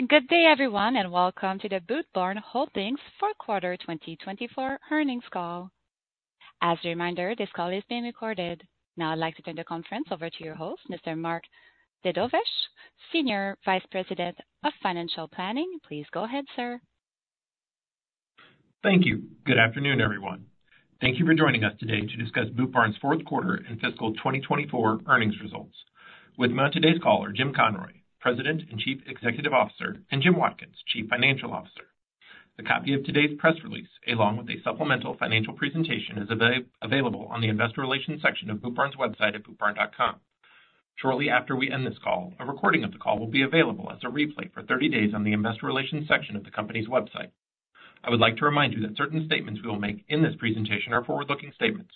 Good day, everyone, and welcome to the Boot Barn Holdings 4Q 2024 earnings call. As a reminder, this call is being recorded. Now I'd like to turn the conference over to your host, Mr. Mark Dedovesh, Senior Vice President of Financial Planning. Please go ahead, sir. Thank you. Good afternoon, everyone. Thank you for joining us today to discuss Boot Barn's 4Q and fiscal 2024 earnings results. With me on today's call are Jim Conroy, President and Chief Executive Officer, and Jim Watkins, Chief Financial Officer. A copy of today's press release, along with a supplemental financial presentation, is available on the Investor Relations section of Boot Barn's website at bootbarn.com. Shortly after we end this call, a recording of the call will be available as a replay for 30 days on the Investor Relations section of the company's website. I would like to remind you that certain statements we will make in this presentation are forward-looking statements.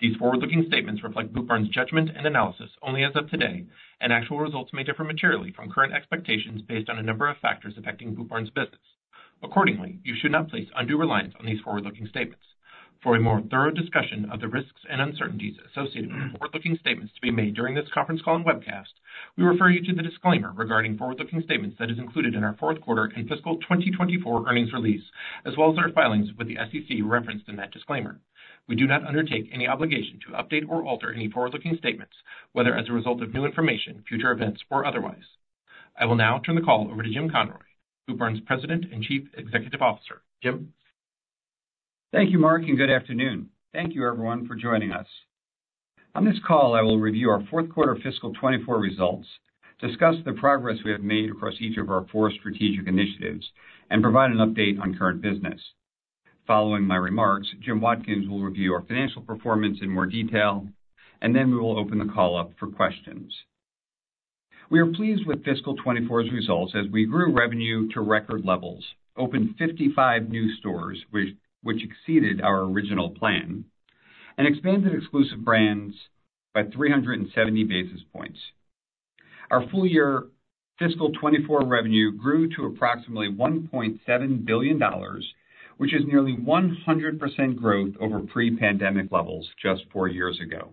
These forward-looking statements reflect Boot Barn's judgment and analysis only as of today, and actual results may differ materially from current expectations based on a number of factors affecting Boot Barn's business. Accordingly, you should not place undue reliance on these forward-looking statements. For a more thorough discussion of the risks and uncertainties associated with the forward-looking statements to be made during this conference call and webcast, we refer you to the disclaimer regarding forward-looking statements that is included in our 4Q and fiscal 2024 earnings release, as well as our filings with the SEC referenced in that disclaimer. We do not undertake any obligation to update or alter any forward-looking statements, whether as a result of new information, future events, or otherwise. I will now turn the call over to Jim Conroy, Boot Barn's President and Chief Executive Officer. Jim? Thank you, Mark, and good afternoon. Thank you, everyone, for joining us. On this call, I will review our 4Q fiscal 2024 results, discuss the progress we have made across each of our four strategic initiatives, and provide an update on current business. Following my remarks, Jim Watkins will review our financial performance in more detail, and then we will open the call up for questions. We are pleased with fiscal 2024's results as we grew revenue to record levels, opened 55 new stores which exceeded our original plan, and expanded exclusive brands by 370 basis points. Our full-year fiscal 2024 revenue grew to approximately $1.7 billion, which is nearly 100% growth over pre-pandemic levels just four years ago.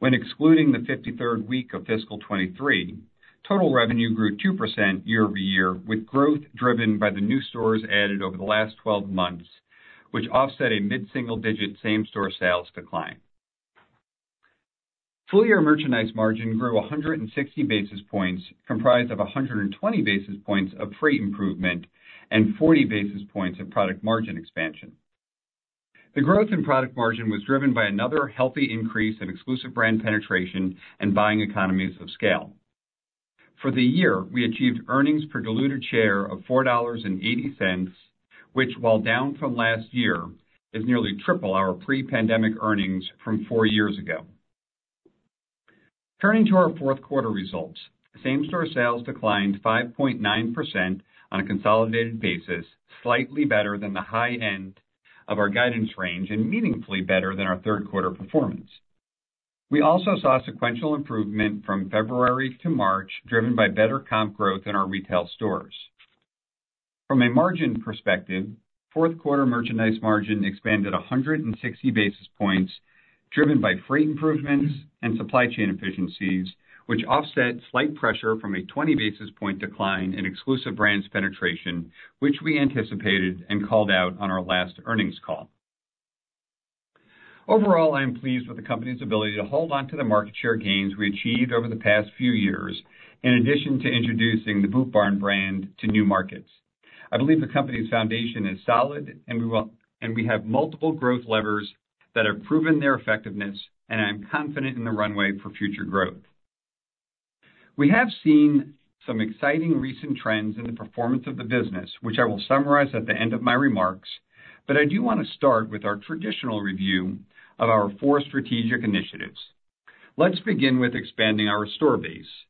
When excluding the 53rd week of fiscal 2023, total revenue grew 2% year-over-year, with growth driven by the new stores added over the last 12 months, which offset a mid-single-digit same-store sales decline. Full-year merchandise margin grew 160 basis points, comprised of 120 basis points of freight improvement and 40 basis points of product margin expansion. The growth in product margin was driven by another healthy increase in exclusive brand penetration and buying economies of scale. For the year, we achieved earnings per diluted share of $4.80, which, while down from last year, is nearly triple our pre-pandemic earnings from four years ago. Turning to our 4Q results, same-store sales declined 5.9% on a consolidated basis, slightly better than the high end of our guidance range and meaningfully better than our 3Q performance. We also saw sequential improvement from February to March driven by better comp growth in our retail stores. From a margin perspective, 4Q merchandise margin expanded 160 basis points, driven by freight improvements and supply chain efficiencies, which offset slight pressure from a 20 basis point decline in exclusive brands penetration, which we anticipated and called out on our last earnings call. Overall, I am pleased with the company's ability to hold onto the market share gains we achieved over the past few years, in addition to introducing the Boot Barn brand to new markets. I believe the company's foundation is solid, and we have multiple growth levers that have proven their effectiveness, and I am confident in the runway for future growth. We have seen some exciting recent trends in the performance of the business, which I will summarize at the end of my remarks, but I do want to start with our traditional review of our four strategic initiatives. Let's begin with expanding our store base.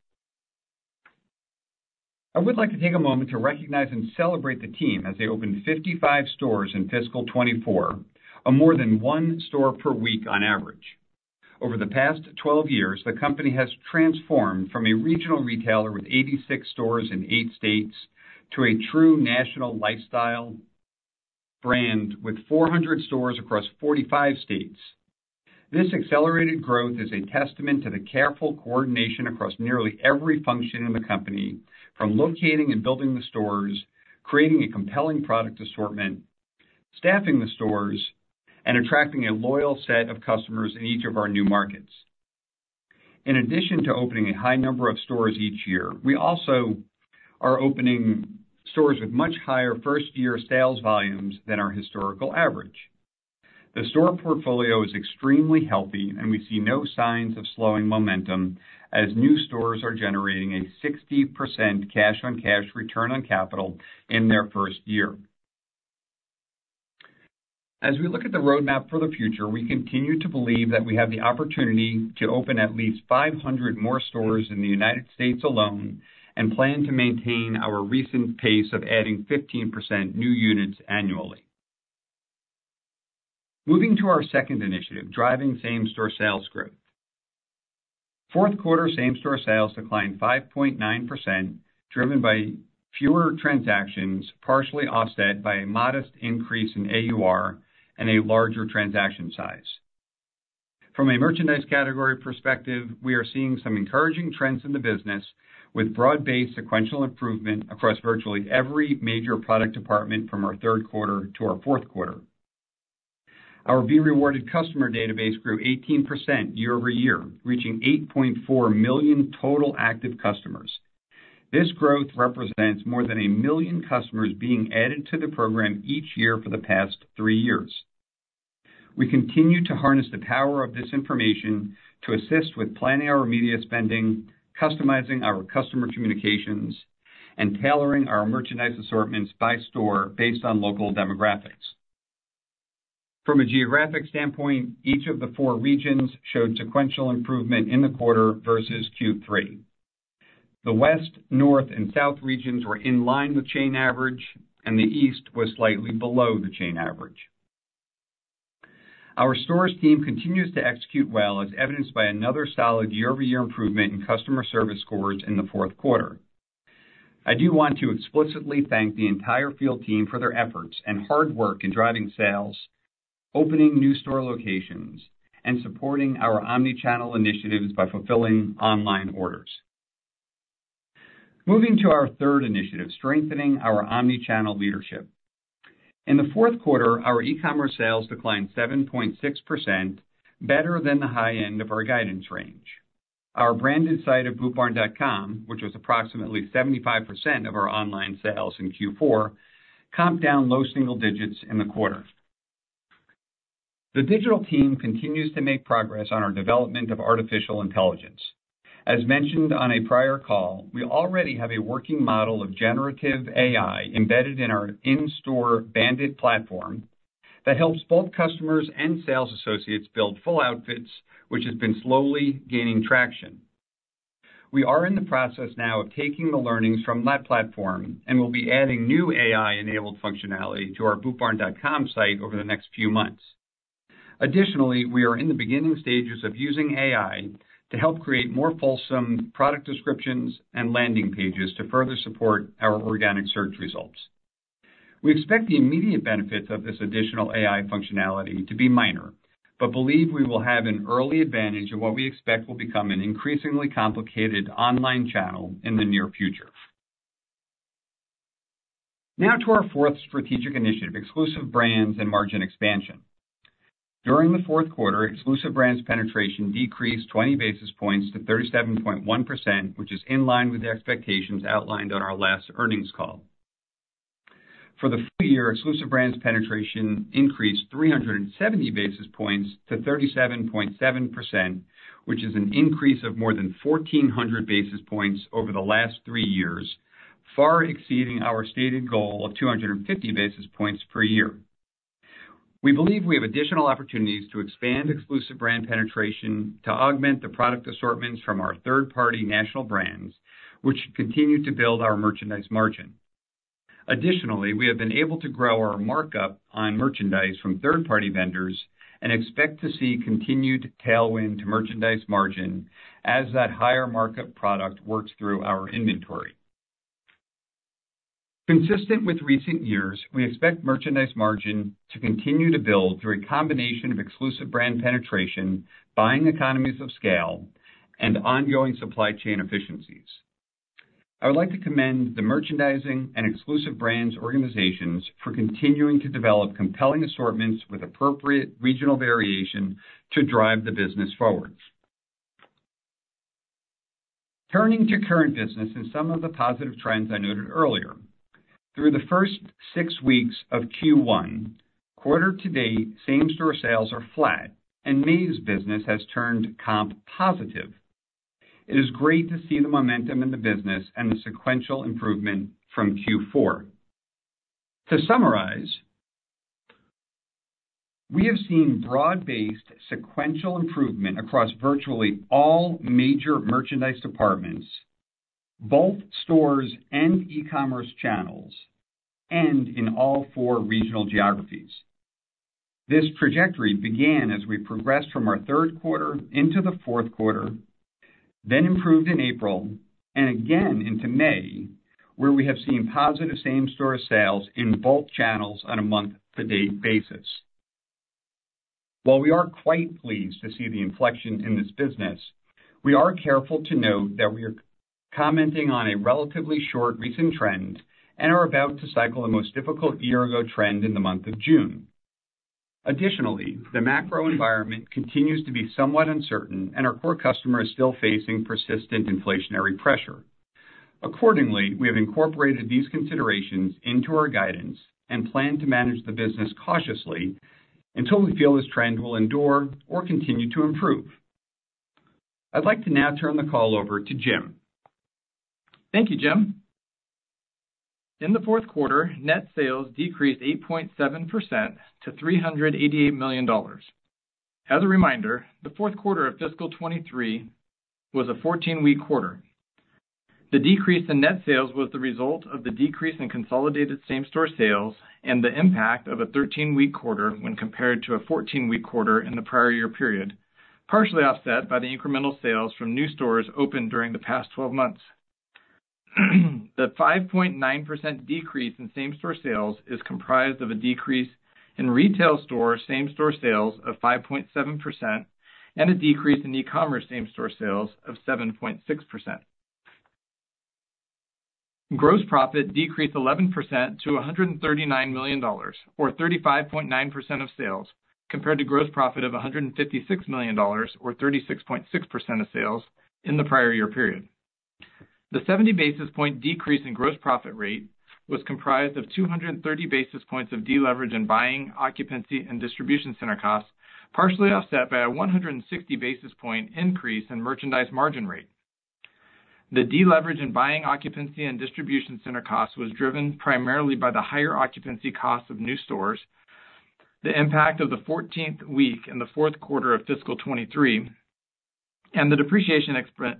I would like to take a moment to recognize and celebrate the team as they opened 55 stores in fiscal 2024, of more than one store per week on average. Over the past 12 years, the company has transformed from a regional retailer with 86 stores in eight states to a true national lifestyle brand with 400 stores across 45 states. This accelerated growth is a testament to the careful coordination across nearly every function in the company, from locating and building the stores, creating a compelling product assortment, staffing the stores, and attracting a loyal set of customers in each of our new markets. In addition to opening a high number of stores each year, we also are opening stores with much higher first-year sales volumes than our historical average. The store portfolio is extremely healthy, and we see no signs of slowing momentum as new stores are generating a 60% cash-on-cash return on capital in their first year. As we look at the roadmap for the future, we continue to believe that we have the opportunity to open at least 500 more stores in the United States alone and plan to maintain our recent pace of adding 15% new units annually. Moving to our second initiative: driving same-store sales growth. 4Q same-store sales declined 5.9%, driven by fewer transactions, partially offset by a modest increase in AUR and a larger transaction size. From a merchandise category perspective, we are seeing some encouraging trends in the business, with broad-based sequential improvement across virtually every major product department from our 3Q to our 4Q. Our B Rewarded Customer Database grew 18% year-over-year, reaching 8.4 million total active customers. This growth represents more than 1 million customers being added to the program each year for the past 3 years. We continue to harness the power of this information to assist with planning our media spending, customizing our customer communications, and tailoring our merchandise assortments by store based on local demographics. From a geographic standpoint, each of the 4 regions showed sequential improvement in the quarter versus Q3. The west, north, and south regions were in line with chain average, and the east was slightly below the chain average. Our stores team continues to execute well, as evidenced by another solid year-over-year improvement in customer service scores in the 4Q. I do want to explicitly thank the entire field team for their efforts and hard work in driving sales, opening new store locations, and supporting our omnichannel initiatives by fulfilling online orders. Moving to our third initiative, strengthening our omnichannel leadership. In the 4Q, our e-commerce sales declined 7.6%, better than the high end of our guidance range. Our branded site of bootbarn.com, which was approximately 75% of our online sales in Q4, comped down low single digits in the quarter. The digital team continues to make progress on our development of artificial intelligence. As mentioned on a prior call, we already have a working model of generative AI embedded in our in-store Bandit platform that helps both customers and sales associates build full outfits, which has been slowly gaining traction. We are in the process now of taking the learnings from that platform and will be adding new AI-enabled functionality to our bootbarn.com site over the next few months. Additionally, we are in the beginning stages of using AI to help create more fulsome product descriptions and landing pages to further support our organic search results. We expect the immediate benefits of this additional AI functionality to be minor, but believe we will have an early advantage in what we expect will become an increasingly complicated online channel in the near future. Now to our fourth strategic initiative, exclusive brands and margin expansion. During the 4Q, exclusive brands penetration decreased 20 basis points to 37.1%, which is in line with the expectations outlined on our last earnings call. For the full year, exclusive brands penetration increased 370 basis points to 37.7%, which is an increase of more than 1,400 basis points over the last three years, far exceeding our stated goal of 250 basis points per year. We believe we have additional opportunities to expand exclusive brand penetration to augment the product assortments from our third-party national brands, which continue to build our merchandise margin. Additionally, we have been able to grow our markup on merchandise from third-party vendors and expect to see continued tailwind to merchandise margin as that higher markup product works through our inventory. Consistent with recent years, we expect merchandise margin to continue to build through a combination of exclusive brand penetration, buying economies of scale, and ongoing supply chain efficiencies. I would like to commend the merchandising and exclusive brands organizations for continuing to develop compelling assortments with appropriate regional variation to drive the business forward. Turning to current business and some of the positive trends I noted earlier. Through the first six weeks of Q1, quarter to date, same-store sales are flat, and May's business has turned comp positive. It is great to see the momentum in the business and the sequential improvement from Q4. To summarize, we have seen broad-based sequential improvement across virtually all major merchandise departments, both stores and e-commerce channels, and in all four regional geographies. This trajectory began as we progressed from our 3Q into the 4Q, then improved in April, and again into May, where we have seen positive same-store sales in both channels on a month-to-date basis. While we are quite pleased to see the inflection in this business, we are careful to note that we are commenting on a relatively short recent trend and are about to cycle the most difficult year-ago trend in the month of June. Additionally, the macro environment continues to be somewhat uncertain, and our core customer is still facing persistent inflationary pressure. Accordingly, we have incorporated these considerations into our guidance and plan to manage the business cautiously until we feel this trend will endure or continue to improve. I'd like to now turn the call over to Jim. Thank you, Jim. In the 4Q, net sales decreased 8.7% to $388 million. As a reminder, the 4Q of fiscal 2023 was a 14-week quarter. The decrease in net sales was the result of the decrease in consolidated same-store sales and the impact of a 13-week quarter when compared to a 14-week quarter in the prior year period, partially offset by the incremental sales from new stores opened during the past 12 months. The 5.9% decrease in same-store sales is comprised of a decrease in retail store same-store sales of 5.7% and a decrease in e-commerce same-store sales of 7.6%. Gross profit decreased 11% to $139 million, or 35.9% of sales, compared to gross profit of $156 million, or 36.6% of sales in the prior year period. The 70 basis point decrease in gross profit rate was comprised of 230 basis points of deleverage in buying, occupancy, and distribution center costs, partially offset by a 160 basis point increase in merchandise margin rate. The deleverage in buying, occupancy, and distribution center costs was driven primarily by the higher occupancy costs of new stores, the impact of the 14th week in the 4Q of fiscal 2023, and the depreciation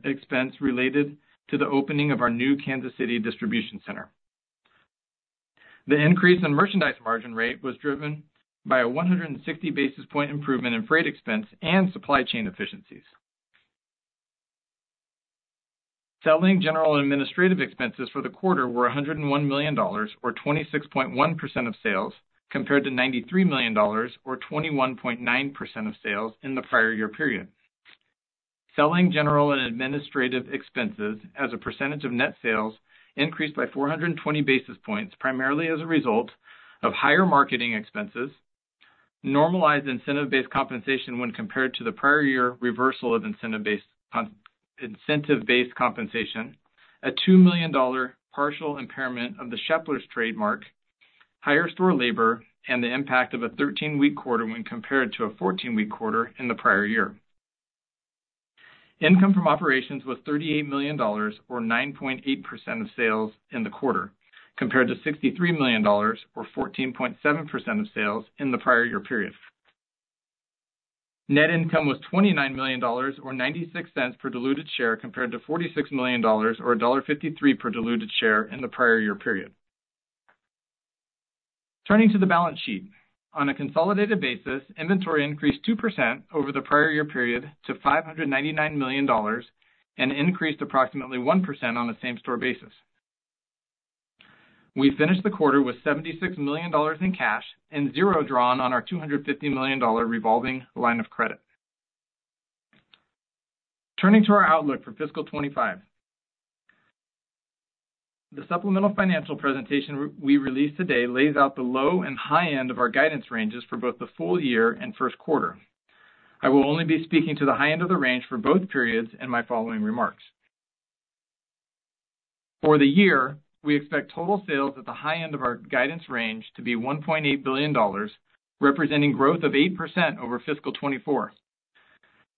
expense related to the opening of our new Kansas City distribution center. The increase in merchandise margin rate was driven by a 160 basis point improvement in freight expense and supply chain efficiencies. Selling, General, and Administrative expenses for the quarter were $101 million, or 26.1% of sales, compared to $93 million, or 21.9% of sales in the prior year period. Selling, general, and administrative expenses as a percentage of net sales increased by 420 basis points primarily as a result of higher marketing expenses, normalized incentive-based compensation when compared to the prior year reversal of incentive-based compensation, a $2 million partial impairment of the Sheplers trademark, higher store labor, and the impact of a 13-week quarter when compared to a 14-week quarter in the prior year. Income from operations was $38 million, or 9.8% of sales in the quarter, compared to $63 million, or 14.7% of sales in the prior year period. Net income was $29 million, or $0.96 per diluted share, compared to $46 million, or $1.53 per diluted share in the prior year period. Turning to the balance sheet. On a consolidated basis, inventory increased 2% over the prior year period to $599 million and increased approximately 1% on a same-store basis. We finished the quarter with $76 million in cash and zero drawn on our $250 million revolving line of credit. Turning to our outlook for fiscal 2025. The supplemental financial presentation we released today lays out the low and high end of our guidance ranges for both the full year and first quarter. I will only be speaking to the high end of the range for both periods in my following remarks. For the year, we expect total sales at the high end of our guidance range to be $1.8 billion, representing growth of 8% over fiscal 2024.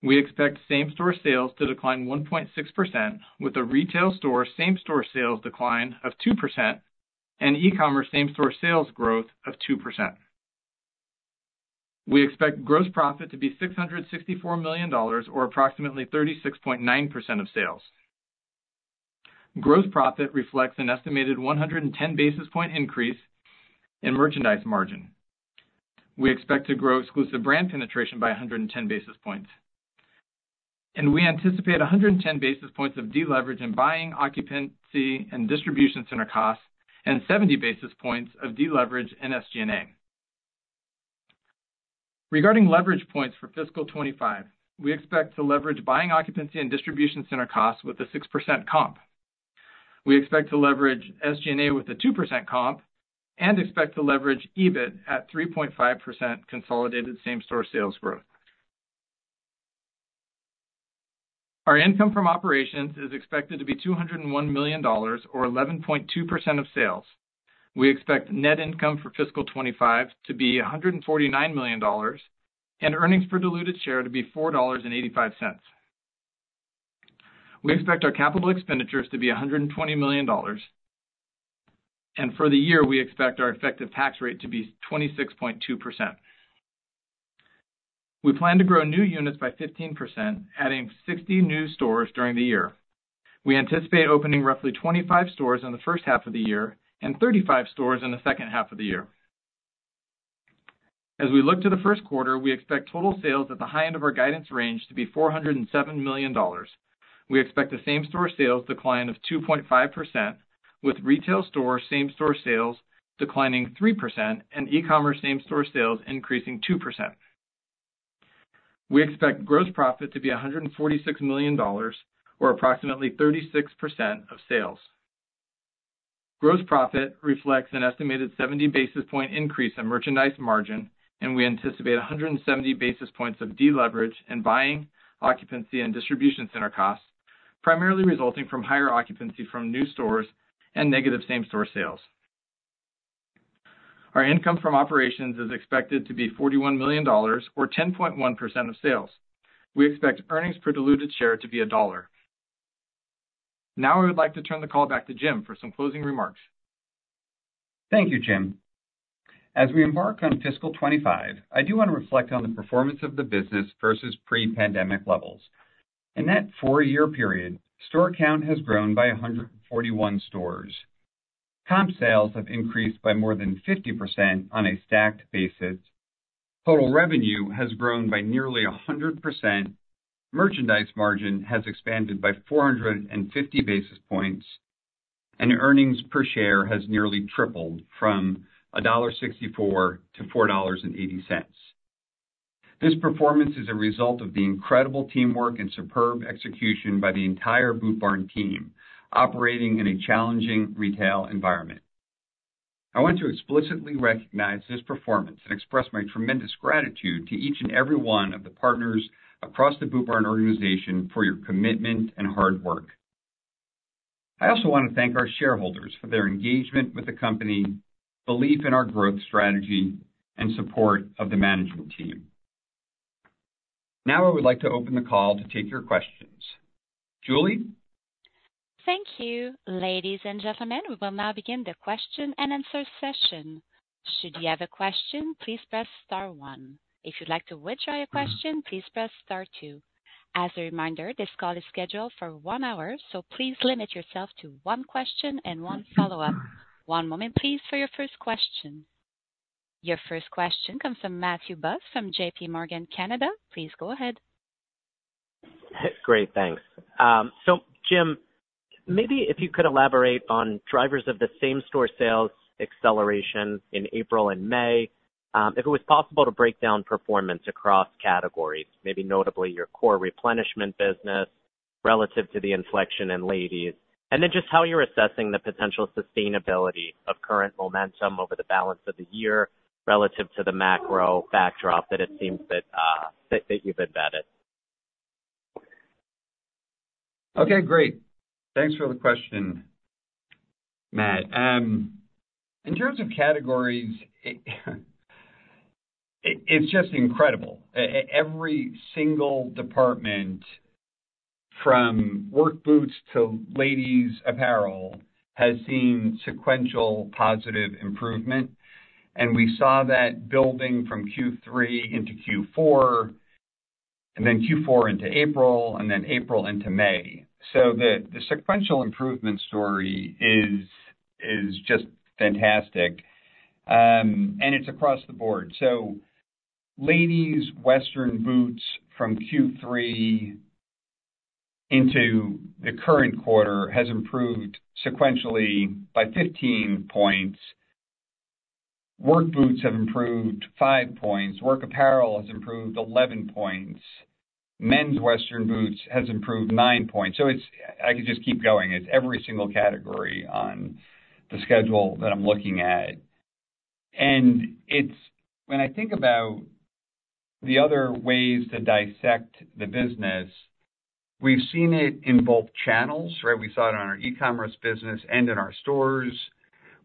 We expect same-store sales to decline 1.6%, with a retail store same-store sales decline of 2% and e-commerce same-store sales growth of 2%. We expect gross profit to be $664 million, or approximately 36.9% of sales. Gross profit reflects an estimated 110 basis point increase in merchandise margin. We expect to grow exclusive brand penetration by 110 basis points. We anticipate 110 basis points of deleverage in buying, occupancy, and distribution center costs and 70 basis points of deleverage in SG&A. Regarding leverage points for fiscal 2025, we expect to leverage buying, occupancy, and distribution center costs with a 6% comp. We expect to leverage SG&A with a 2% comp and expect to leverage EBIT at 3.5% consolidated same-store sales growth. Our income from operations is expected to be $201 million, or 11.2% of sales. We expect net income for fiscal 2025 to be $149 million and earnings per diluted share to be $4.85. We expect our capital expenditures to be $120 million. For the year, we expect our effective tax rate to be 26.2%. We plan to grow new units by 15%, adding 60 new stores during the year. We anticipate opening roughly 25 stores in the first half of the year and 35 stores in the second half of the year. As we look to the first quarter, we expect total sales at the high end of our guidance range to be $407 million. We expect the same-store sales decline of 2.5%, with retail store same-store sales declining 3% and e-commerce same-store sales increasing 2%. We expect gross profit to be $146 million, or approximately 36% of sales. Gross profit reflects an estimated 70 basis points increase in merchandise margin, and we anticipate 170 basis points of deleverage in buying, occupancy, and distribution center costs, primarily resulting from higher occupancy from new stores and negative same-store sales. Our income from operations is expected to be $41 million, or 10.1% of sales. We expect earnings per diluted share to be $1. Now I would like to turn the call back to Jim for some closing remarks. Thank you, Jim. As we embark on fiscal 2025, I do want to reflect on the performance of the business versus pre-pandemic levels. In that 4-year period, store count has grown by 141 stores. Comp sales have increased by more than 50% on a stacked basis. Total revenue has grown by nearly 100%. Merchandise margin has expanded by 450 basis points. Earnings per share has nearly tripled from $1.64 to $4.80. This performance is a result of the incredible teamwork and superb execution by the entire Boot Barn team operating in a challenging retail environment. I want to explicitly recognize this performance and express my tremendous gratitude to each and every one of the partners across the Boot Barn organization for your commitment and hard work. I also want to thank our shareholders for their engagement with the company, belief in our growth strategy, and support of the management team. Now I would like to open the call to take your questions. Julie? Thank you, ladies and gentlemen. We will now begin the question and answer session. Should you have a question, please press star one. If you'd like to withdraw your question, please press star two. As a reminder, this call is scheduled for one hour, so please limit yourself to one question and one follow-up. One moment, please, for your first question. Your first question comes from Matthew Boss from JPMorgan. Please go ahead. Great. Thanks. So, Jim, maybe if you could elaborate on drivers of the same-store sales acceleration in April and May, if it was possible to break down performance across categories, maybe notably your core replenishment business relative to the inflection in ladies, and then just how you're assessing the potential sustainability of current momentum over the balance of the year relative to the macro backdrop that it seems that you've embedded. Okay. Great. Thanks for the question, Matt. In terms of categories, it's just incredible. Every single department, from work boots to ladies' apparel, has seen sequential positive improvement. We saw that building from Q3 into Q4, and then Q4 into April, and then April into May. So the sequential improvement story is just fantastic. It's across the board. So ladies' Western boots from Q3 into the current quarter has improved sequentially by 15 points. Work boots have improved 5 points. Work apparel has improved 11 points. Men's Western boots has improved 9 points. So I could just keep going. It's every single category on the schedule that I'm looking at. When I think about the other ways to dissect the business, we've seen it in both channels, right? We saw it on our e-commerce business and in our stores.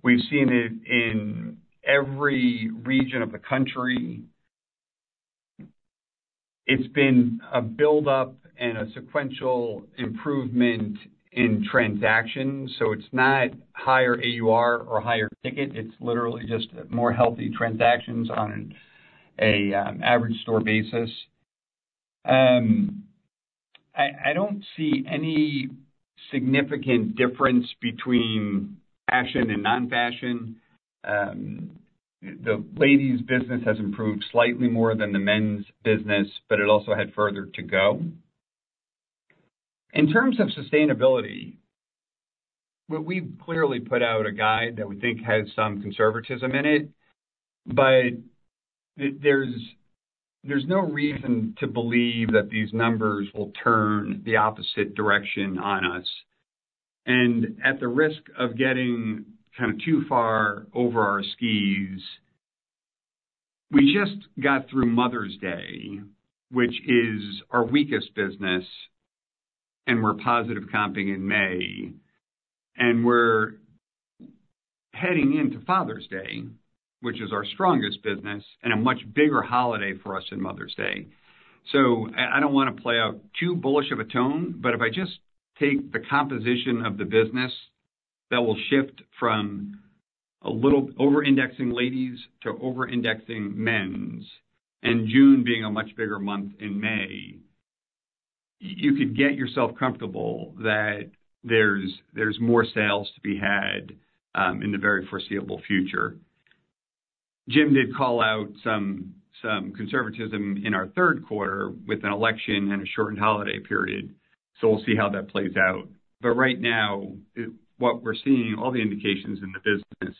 We've seen it in every region of the country. It's been a buildup and a sequential improvement in transactions. So it's not higher AUR or higher ticket. It's literally just more healthy transactions on an average store basis. I don't see any significant difference between fashion and non-fashion. The ladies' business has improved slightly more than the men's business, but it also had further to go. In terms of sustainability, we've clearly put out a guide that we think has some conservatism in it, but there's no reason to believe that these numbers will turn the opposite direction on us. And at the risk of getting kind of too far over our skis, we just got through Mother's Day, which is our weakest business, and we're positive comping in May. And we're heading into Father's Day, which is our strongest business and a much bigger holiday for us than Mother's Day. So I don't want to play out too bullish of a tone, but if I just take the composition of the business that will shift from a little over-indexing ladies to over-indexing men's, and June being a much bigger month in May, you could get yourself comfortable that there's more sales to be had in the very foreseeable future. Jim did call out some conservatism in our third quarter with an election and a shortened holiday period. So we'll see how that plays out. But right now, what we're seeing, all the indications in the business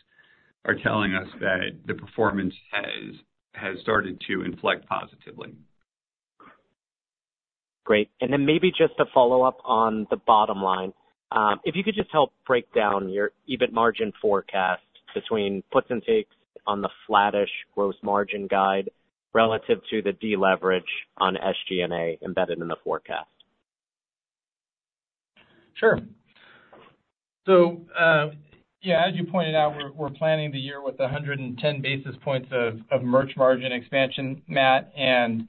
are telling us that the performance has started to inflect positively. Great. And then maybe just to follow up on the bottom line, if you could just help break down your EBIT margin forecast between puts and takes on the flattish gross margin guide relative to the deleverage on SG&A embedded in the forecast? Sure. So yeah, as you pointed out, we're planning the year with 110 basis points of merch margin expansion, Matt, and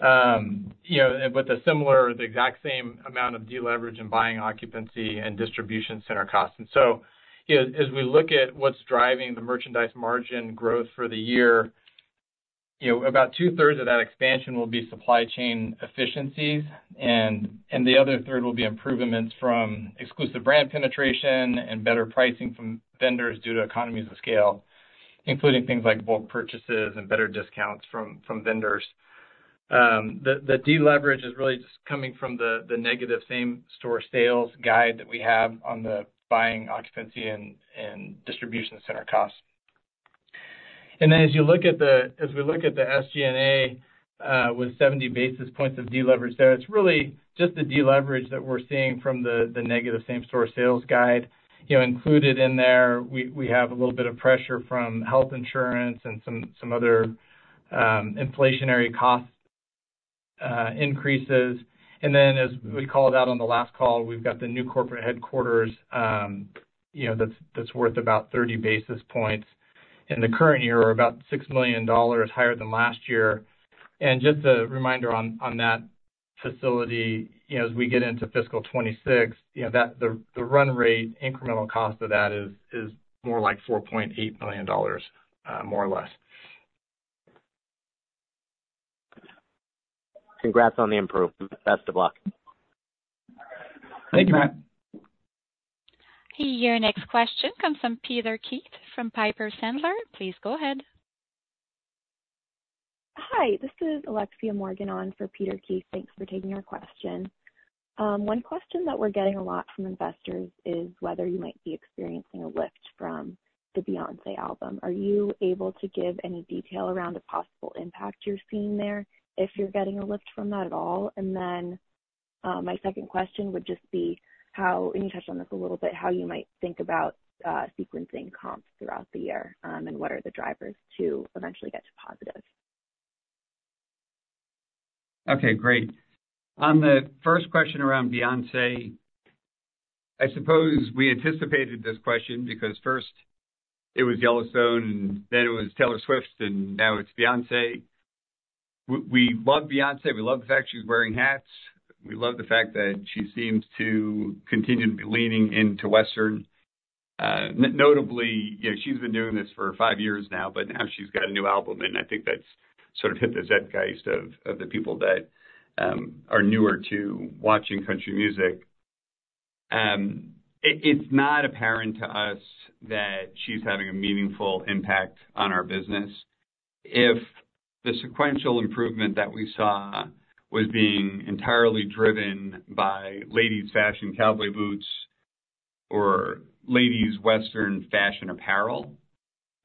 with the exact same amount of deleverage in buying, occupancy, and distribution center costs. So as we look at what's driving the merchandise margin growth for the year, about two-thirds of that expansion will be supply chain efficiencies, and the other third will be improvements from exclusive brand penetration and better pricing from vendors due to economies of scale, including things like bulk purchases and better discounts from vendors. The deleverage is really just coming from the negative same-store sales guide that we have on the buying, occupancy, and distribution center costs. And then as we look at the SG&A with 70 basis points of deleverage there, it's really just the deleverage that we're seeing from the negative same-store sales guide. Included in there, we have a little bit of pressure from health insurance and some other inflationary cost increases. And then as we called out on the last call, we've got the new corporate headquarters that's worth about 30 basis points in the current year, or about $6 million higher than last year. And just a reminder on that facility, as we get into fiscal 2026, the run rate, incremental cost of that is more like $4.8 million, more or less. Congrats on the improvement. Best of luck. Thank you, Matt. Hey, your next question comes from Peter Keith from Piper Sandler. Please go ahead. Hi. This is Alexia Morgan on for Peter Keith. Thanks for taking our question. One question that we're getting a lot from investors is whether you might be experiencing a lift from the Beyoncé album. Are you able to give any detail around a possible impact you're seeing there, if you're getting a lift from that at all? And then my second question would just be, and you touched on this a little bit, how you might think about sequencing comps throughout the year and what are the drivers to eventually get to positive. Okay. Great. On the first question around Beyoncé, I suppose we anticipated this question because first, it was Yellowstone, and then it was Taylor Swift, and now it's Beyoncé. We love Beyoncé. We love the fact she's wearing hats. We love the fact that she seems to continue to be leaning into Western. Notably, she's been doing this for five years now, but now she's got a new album, and I think that's sort of hit the zeitgeist of the people that are newer to watching country music. It's not apparent to us that she's having a meaningful impact on our business. If the sequential improvement that we saw was being entirely driven by ladies' fashion cowboy boots or ladies' Western fashion apparel,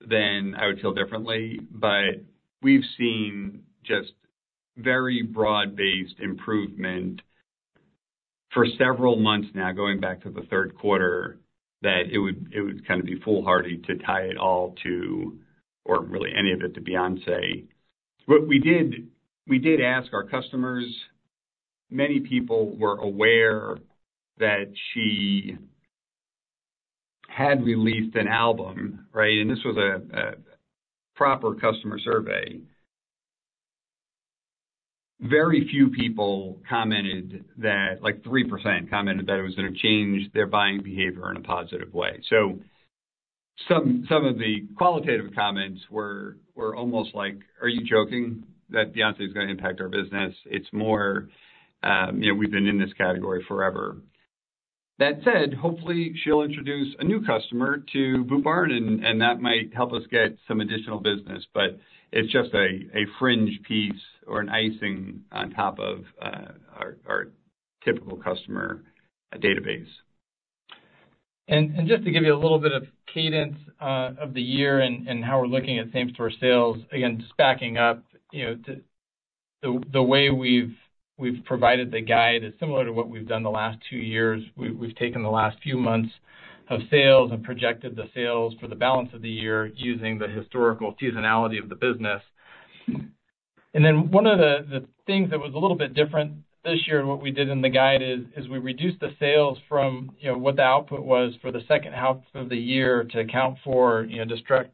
then I would feel differently. But we've seen just very broad-based improvement for several months now, going back to the third quarter, that it would kind of be foolhardy to tie it all to, or really any of it, to Beyoncé. But we did ask our customers. Many people were aware that she had released an album, right? And this was a proper customer survey. Very few people commented that, like 3%, it was going to change their buying behavior in a positive way. So some of the qualitative comments were almost like, "Are you joking that Beyoncé is going to impact our business?" It's more, "We've been in this category forever." That said, hopefully, she'll introduce a new customer to Boot Barn, and that might help us get some additional business. But it's just a fringe piece or an icing on top of our typical customer database. Just to give you a little bit of cadence of the year and how we're looking at same-store sales, again, just backing up, the way we've provided the guide is similar to what we've done the last two years. We've taken the last few months of sales and projected the sales for the balance of the year using the historical seasonality of the business. Then one of the things that was a little bit different this year in what we did in the guide is we reduced the sales from what the output was for the second half of the year to account for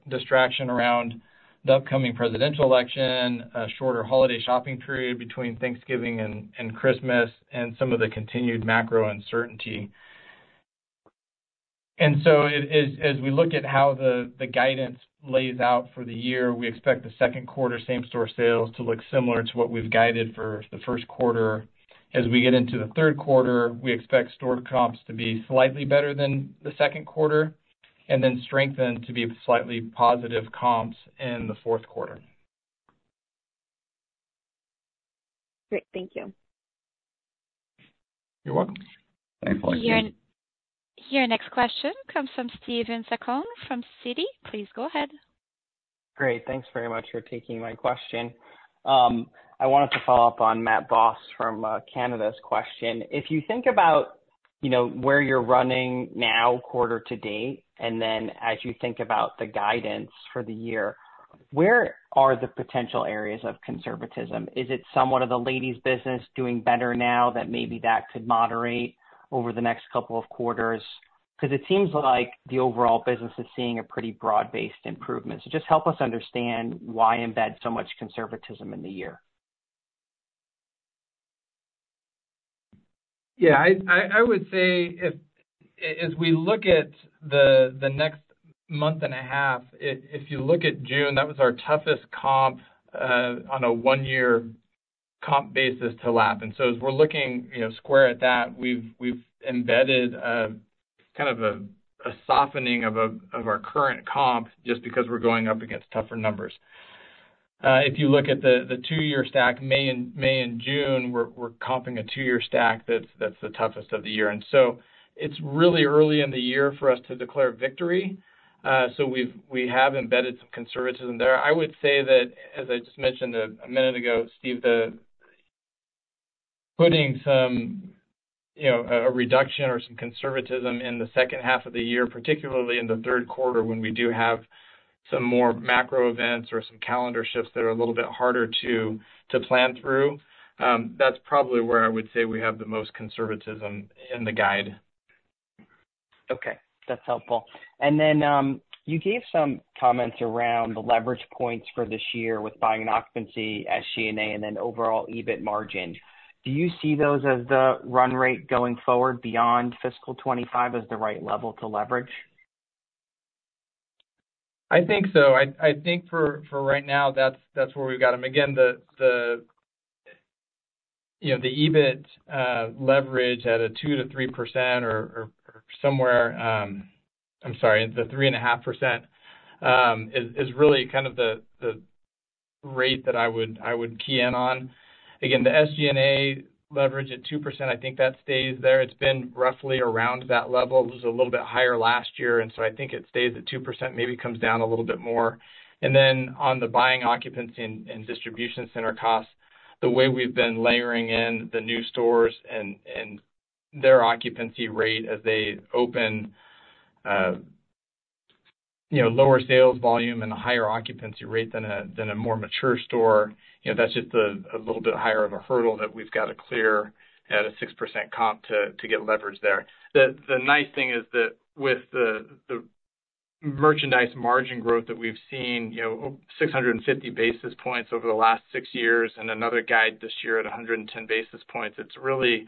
distraction around the upcoming presidential election, a shorter holiday shopping period between Thanksgiving and Christmas, and some of the continued macro uncertainty. So as we look at how the guidance lays out for the year, we expect the second quarter same-store sales to look similar to what we've guided for the first quarter. As we get into the third quarter, we expect store comps to be slightly better than the second quarter and then strengthen to be slightly positive comps in the fourth quarter. Great. Thank you. You're welcome. Thanks, Alexia. Your next question comes from Steven Zaccone from Citi. Please go ahead. Great. Thanks very much for taking my question. I wanted to follow up on Matthew Boss from J.P. Morgan's question. If you think about where you're running now quarter to date and then as you think about the guidance for the year, where are the potential areas of conservatism? Is it somewhat of the ladies' business doing better now that maybe that could moderate over the next couple of quarters? Because it seems like the overall business is seeing a pretty broad-based improvement. So just help us understand why embed so much conservatism in the year. Yeah. I would say as we look at the next month and a half, if you look at June, that was our toughest comp on a 1-year comp basis to lap. And so as we're looking square at that, we've embedded kind of a softening of our current comp just because we're going up against tougher numbers. If you look at the 2-year stack, May and June, we're comping a 2-year stack that's the toughest of the year. And so it's really early in the year for us to declare victory. So we have embedded some conservatism there. I would say that, as I just mentioned a minute ago, Steve, putting a reduction or some conservatism in the second half of the year, particularly in the third quarter when we do have some more macro events or some calendar shifts that are a little bit harder to plan through, that's probably where I would say we have the most conservatism in the guide. Okay. That's helpful. And then you gave some comments around the leverage points for this year with buying and occupancy, SG&A, and then overall EBIT margin. Do you see those as the run rate going forward beyond fiscal 2025 as the right level to leverage? I think so. I think for right now, that's where we've got them. Again, the EBIT leverage at a 2%-3% or somewhere—I'm sorry, the 3.5% is really kind of the rate that I would key in on. Again, the SG&A leverage at 2%, I think that stays there. It's been roughly around that level. It was a little bit higher last year, and so I think it stays at 2%, maybe comes down a little bit more. And then on the Buying, Occupancy, and Distribution Center Costs, the way we've been layering in the new stores and their occupancy rate as they open lower sales volume and a higher occupancy rate than a more mature store, that's just a little bit higher of a hurdle that we've got to clear at a 6% comp to get leverage there. The nice thing is that with the merchandise margin growth that we've seen, 650 basis points over the last six years and another guide this year at 110 basis points, it's really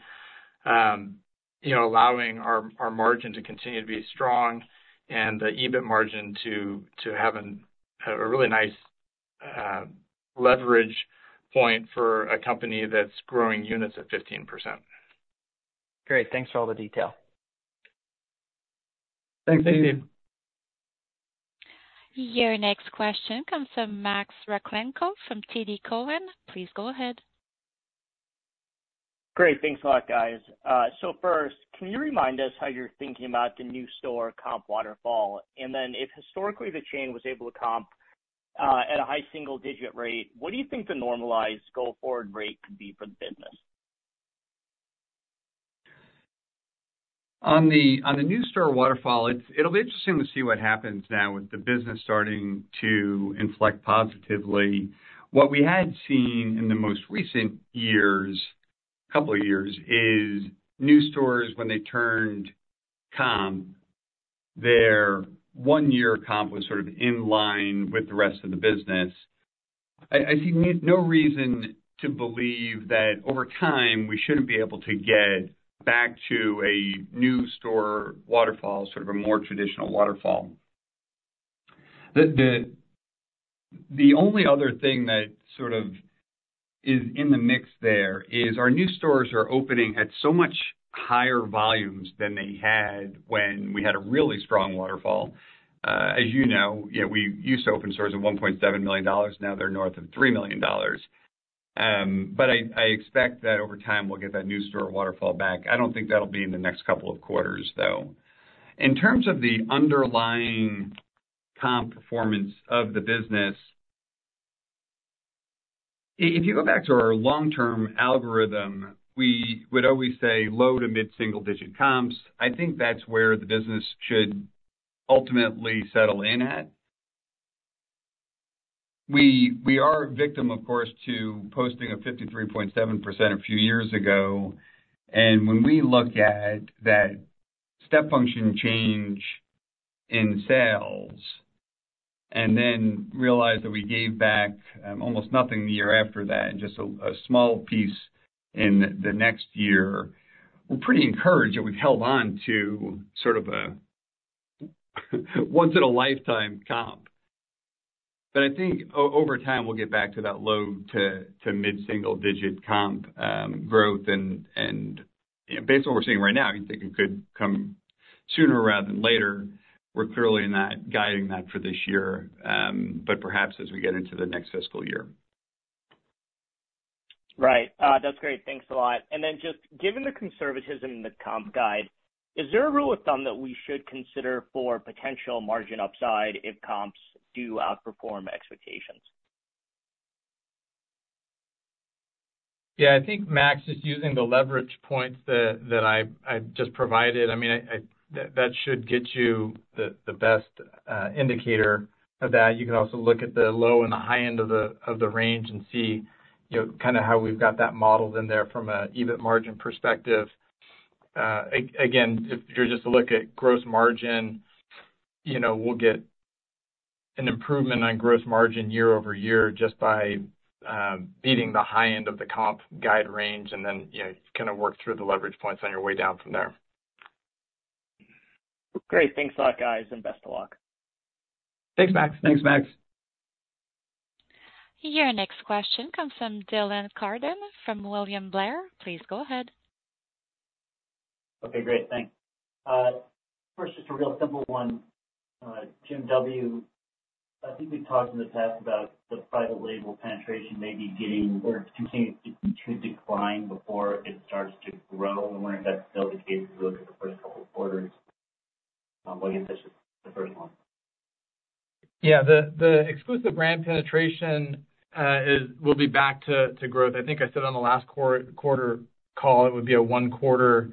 allowing our margin to continue to be strong and the EBIT margin to have a really nice leverage point for a company that's growing units at 15%. Great. Thanks for all the detail. Thanks, Steve. Thanks, Steve. Your next question comes from Max Rakhlenko from TD Cowen. Please go ahead. Great. Thanks a lot, guys. So first, can you remind us how you're thinking about the new store comp waterfall? And then if historically the chain was able to comp at a high single-digit rate, what do you think the normalized go-forward rate could be for the business? On the new store waterfall, it'll be interesting to see what happens now with the business starting to inflect positively. What we had seen in the most recent couple of years is new stores, when they turned comp, their one-year comp was sort of in line with the rest of the business. I see no reason to believe that over time, we shouldn't be able to get back to a new store waterfall, sort of a more traditional waterfall. The only other thing that sort of is in the mix there is our new stores are opening at so much higher volumes than they had when we had a really strong waterfall. As you know, we used to open stores at $1.7 million. Now they're north of $3 million. But I expect that over time, we'll get that new store waterfall back. I don't think that'll be in the next couple of quarters, though. In terms of the underlying comp performance of the business, if you go back to our long-term algorithm, we would always say low to mid-single-digit comps. I think that's where the business should ultimately settle in at. We are a victim, of course, to posting a 53.7% a few years ago. And when we look at that step function change in sales and then realize that we gave back almost nothing the year after that and just a small piece in the next year, we're pretty encouraged that we've held on to sort of a once-in-a-lifetime comp. But I think over time, we'll get back to that low to mid-single-digit comp growth. And based on what we're seeing right now, you think it could come sooner rather than later. We're clearly not guiding that for this year, but perhaps as we get into the next fiscal year. Right. That's great. Thanks a lot. And then just given the conservatism in the comps guide, is there a rule of thumb that we should consider for potential margin upside if comps do outperform expectations? Yeah. I think Max is using the leverage points that I just provided. I mean, that should get you the best indicator of that. You can also look at the low and the high end of the range and see kind of how we've got that modeled in there from an EBIT margin perspective. Again, if you're just to look at gross margin, we'll get an improvement on gross margin year-over-year just by beating the high end of the comp guide range and then kind of work through the leverage points on your way down from there. Great. Thanks a lot, guys, and best of luck. Thanks, Max. Thanks, Max. Your next question comes from Dylan Carden from William Blair. Please go ahead. Okay. Great. Thanks. First, just a real simple one. Jim W., I think we've talked in the past about the private label penetration maybe getting or continuing to decline before it starts to grow. I wonder if that's still the case if we look at the first couple of quarters. Well, I guess that's just the first one. Yeah. The exclusive brand penetration will be back to growth. I think I said on the last quarter call, it would be a one-quarter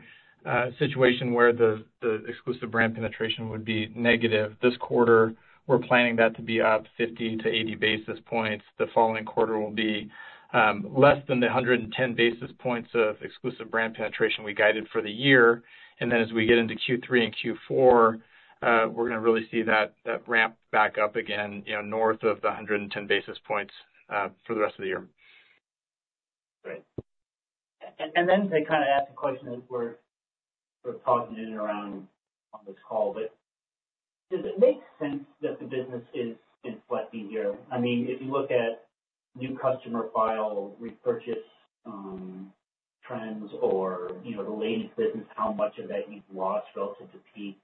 situation where the exclusive brand penetration would be negative. This quarter, we're planning that to be up 50-80 basis points. The following quarter will be less than the 110 basis points of exclusive brand penetration we guided for the year. And then as we get into Q3 and Q4, we're going to really see that ramp back up again north of the 110 basis points for the rest of the year. Great. And then to kind of ask a question that we're sort of talking in and around on this call, but does it make sense that the business is inflecting here? I mean, if you look at new customer file, repurchase trends, or the ladies' business, how much of that you've lost relative to peak?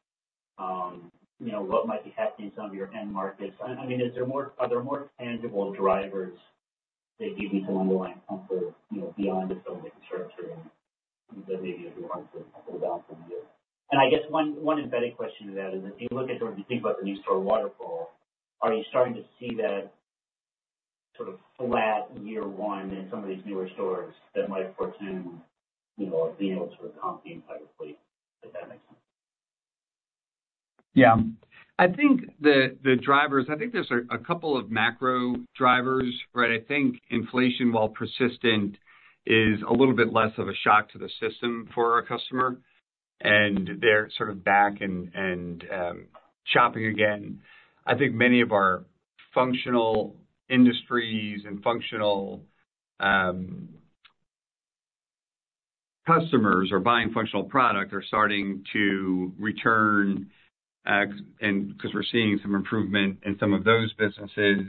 What might be happening in some of your end markets? I mean, are there more tangible drivers that give you some underlying comfort beyond just some of the conservative that maybe you'd want to hold down for the year? And I guess one embedded question to that is if you look at or if you think about the new store waterfall, are you starting to see that sort of flat year one in some of these newer stores that might portend being able to sort of comp the entire fleet, if that makes sense? Yeah. I think there's a couple of macro drivers, right? I think inflation, while persistent, is a little bit less of a shock to the system for a customer. They're sort of back and shopping again. I think many of our functional industries and functional customers or buying functional product are starting to return because we're seeing some improvement in some of those businesses.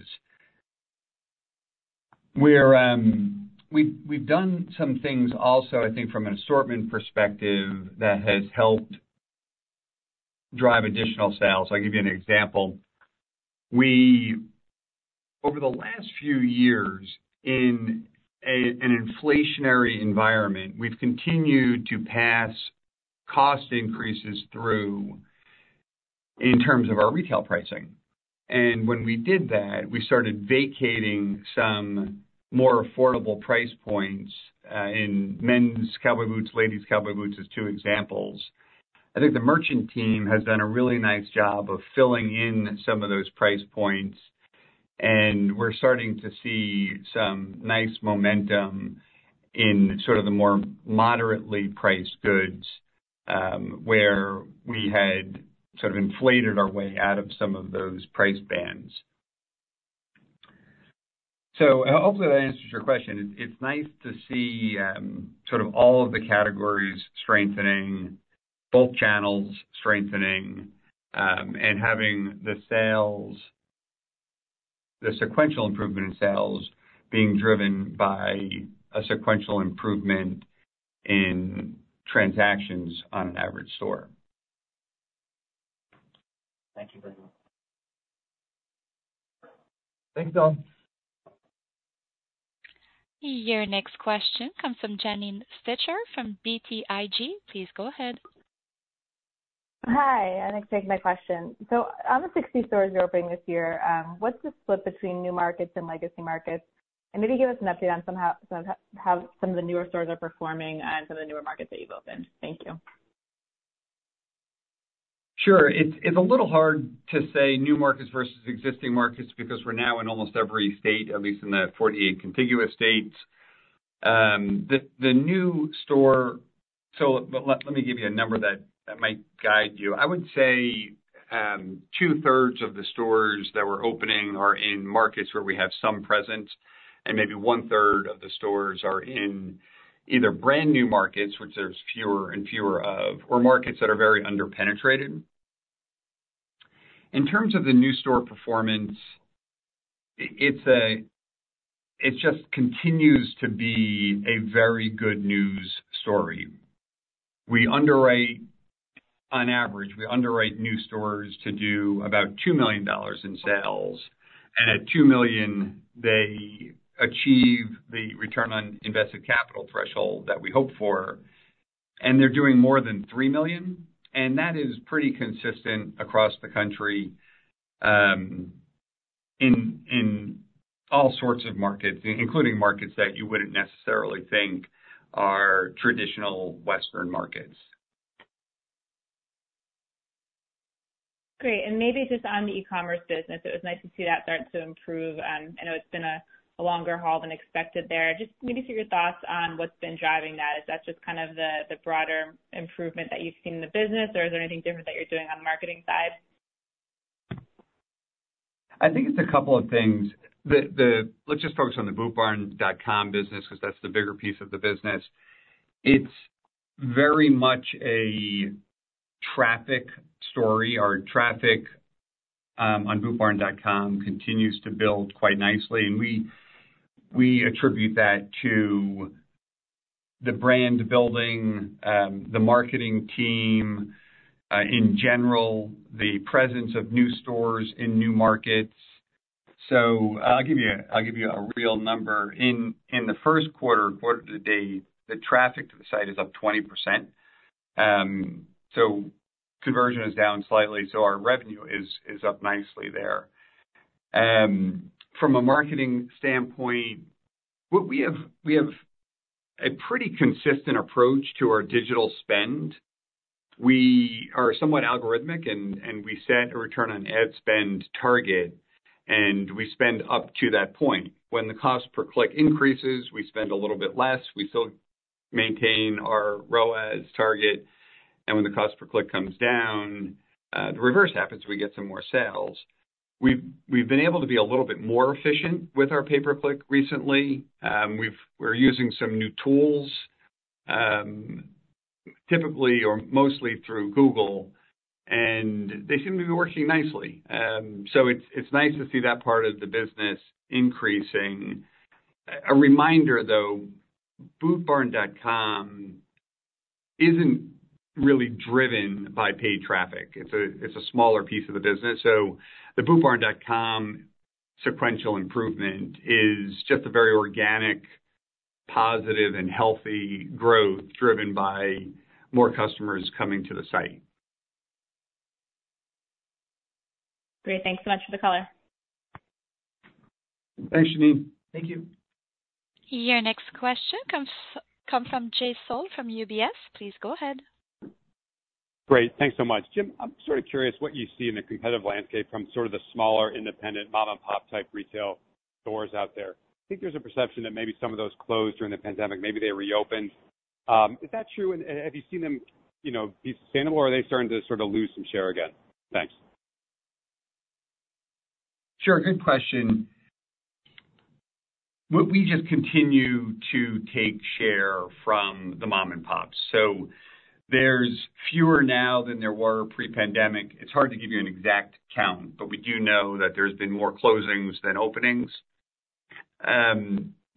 We've done some things also, I think, from an assortment perspective that has helped drive additional sales. I'll give you an example. Over the last few years, in an inflationary environment, we've continued to pass cost increases through in terms of our retail pricing. And when we did that, we started vacating some more affordable price points in men's cowboy boots. Ladies' cowboy boots is two examples. I think the merchant team has done a really nice job of filling in some of those price points. We're starting to see some nice momentum in sort of the more moderately priced goods where we had sort of inflated our way out of some of those price bands. Hopefully, that answers your question. It's nice to see sort of all of the categories strengthening, both channels strengthening, and having the sequential improvement in sales being driven by a sequential improvement in transactions on an average store. Thank you very much. Thanks, Dylan. Your next question comes from Janine Stichter from BTIG. Please go ahead. Hi. I'd like to take my question. So on the 60 stores you're opening this year, what's the split between new markets and legacy markets? And maybe give us an update on how some of the newer stores are performing and some of the newer markets that you've opened. Thank you. Sure. It's a little hard to say new markets versus existing markets because we're now in almost every state, at least in the 48 contiguous states. The new store, so let me give you a number that might guide you. I would say 2/3 of the stores that we're opening are in markets where we have some presence, and maybe 1/3 of the stores are in either brand new markets, which there's fewer and fewer of, or markets that are very under-penetrated. In terms of the new store performance, it just continues to be a very good news story. On average, we underwrite new stores to do about $2 million in sales. At $2 million, they achieve the return on invested capital threshold that we hope for. They're doing more than $3 million. That is pretty consistent across the country in all sorts of markets, including markets that you wouldn't necessarily think are traditional Western markets. Great. And maybe just on the e-commerce business, it was nice to see that start to improve. I know it's been a longer haul than expected there. Just maybe share your thoughts on what's been driving that. Is that just kind of the broader improvement that you've seen in the business, or is there anything different that you're doing on the marketing side? I think it's a couple of things. Let's just focus on the bootbarn.com business because that's the bigger piece of the business. It's very much a traffic story. Our traffic on bootbarn.com continues to build quite nicely. And we attribute that to the brand building, the marketing team in general, the presence of new stores in new markets. So I'll give you a real number. In the first quarter, quarter to the date, the traffic to the site is up 20%. So conversion is down slightly. So our revenue is up nicely there. From a marketing standpoint, we have a pretty consistent approach to our digital spend. We are somewhat algorithmic, and we set a return on ad spend target, and we spend up to that point. When the cost per click increases, we spend a little bit less. We still maintain our ROAS target. And when the cost per click comes down, the reverse happens. We get some more sales. We've been able to be a little bit more efficient with our pay-per-click recently. We're using some new tools, typically or mostly through Google. And they seem to be working nicely. So it's nice to see that part of the business increasing. A reminder, though, bootbarn.com isn't really driven by paid traffic. It's a smaller piece of the business. So the bootbarn.com sequential improvement is just a very organic, positive, and healthy growth driven by more customers coming to the site. Great. Thanks so much for the color. Thanks, Janine. Thank you. Your next question comes from Jay Sole from UBS. Please go ahead. Great. Thanks so much. Jim, I'm sort of curious what you see in the competitive landscape from sort of the smaller independent mom-and-pop type retail stores out there. I think there's a perception that maybe some of those closed during the pandemic. Maybe they reopened. Is that true? And have you seen them be sustainable, or are they starting to sort of lose some share again? Thanks. Sure. Good question. We just continue to take share from the mom-and-pops. So there's fewer now than there were pre-pandemic. It's hard to give you an exact count, but we do know that there's been more closings than openings.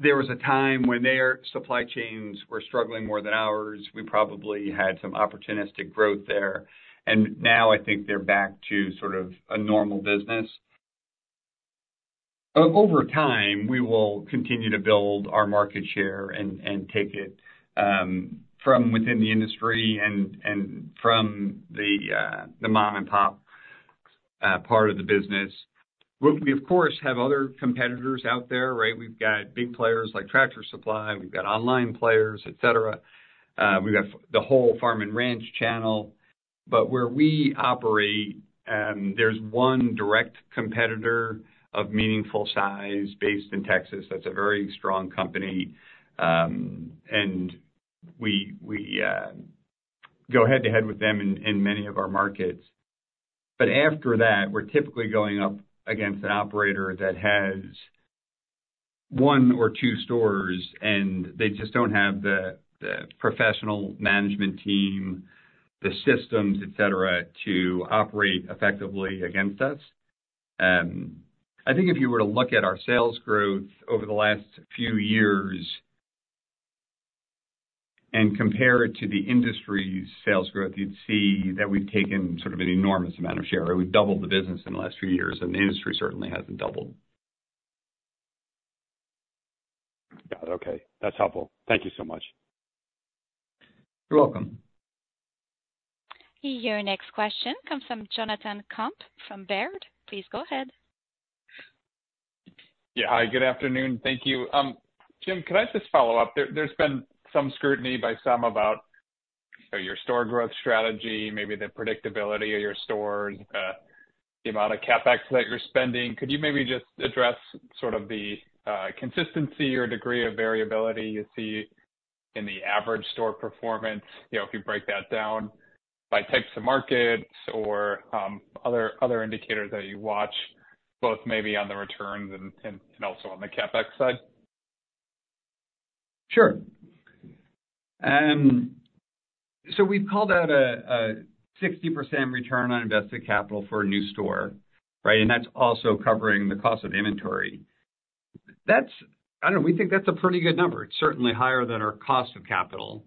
There was a time when their supply chains were struggling more than ours. We probably had some opportunistic growth there. And now, I think they're back to sort of a normal business. Over time, we will continue to build our market share and take it from within the industry and from the mom-and-pop part of the business. We, of course, have other competitors out there, right? We've got big players like Tractor Supply. We've got online players, etc. We've got the whole farm and ranch channel. But where we operate, there's one direct competitor of meaningful size based in Texas. That's a very strong company. And we go head-to-head with them in many of our markets. But after that, we're typically going up against an operator that has one or two stores, and they just don't have the professional management team, the systems, etc., to operate effectively against us. I think if you were to look at our sales growth over the last few years and compare it to the industry's sales growth, you'd see that we've taken sort of an enormous amount of share. We've doubled the business in the last few years, and the industry certainly hasn't doubled. Got it. Okay. That's helpful. Thank you so much. You're welcome. Your next question comes from Jonathan Komp from Baird. Please go ahead. Yeah. Hi. Good afternoon. Thank you. Jim, could I just follow up? There's been some scrutiny by some about your store growth strategy, maybe the predictability of your stores, the amount of CapEx that you're spending. Could you maybe just address sort of the consistency or degree of variability you see in the average store performance if you break that down by types of markets or other indicators that you watch, both maybe on the returns and also on the CapEx side? Sure. So we've called out a 60% return on invested capital for a new store, right? And that's also covering the cost of inventory. I don't know. We think that's a pretty good number. It's certainly higher than our cost of capital.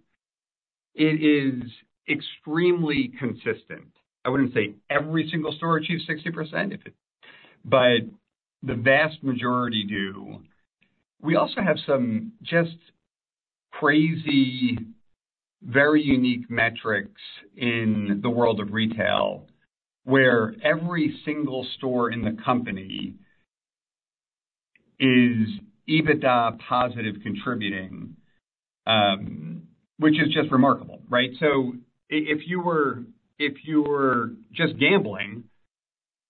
It is extremely consistent. I wouldn't say every single store achieves 60%, but the vast majority do. We also have some just crazy, very unique metrics in the world of retail where every single store in the company is EBITDA positive contributing, which is just remarkable, right? So if you were just gambling,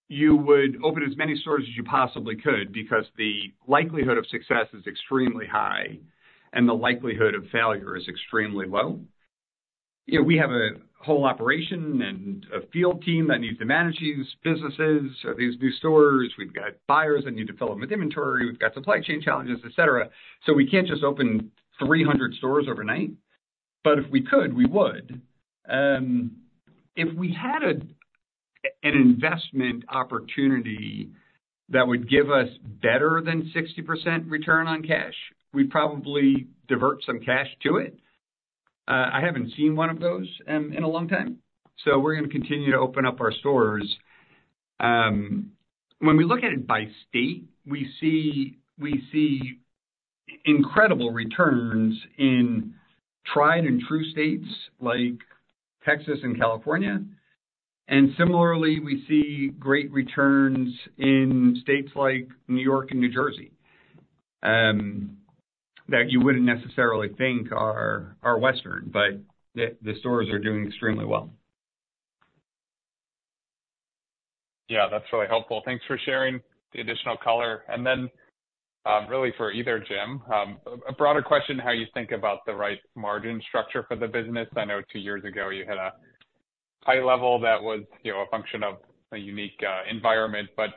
you would open as many stores as you possibly could because the likelihood of success is extremely high and the likelihood of failure is extremely low. We have a whole operation and a field team that needs to manage these businesses, these new stores. We've got buyers that need to fill them with inventory. We've got supply chain challenges, etc. So we can't just open 300 stores overnight. But if we could, we would. If we had an investment opportunity that would give us better than 60% return on cash, we'd probably divert some cash to it. I haven't seen one of those in a long time. So we're going to continue to open up our stores. When we look at it by state, we see incredible returns in tried-and-true states like Texas and California. And similarly, we see great returns in states like New York and New Jersey that you wouldn't necessarily think are Western, but the stores are doing extremely well. Yeah. That's really helpful. Thanks for sharing the additional color. And then, really, for either Jim, a broader question: how you think about the right margin structure for the business. I know two years ago, you had a high level that was a function of a unique environment. But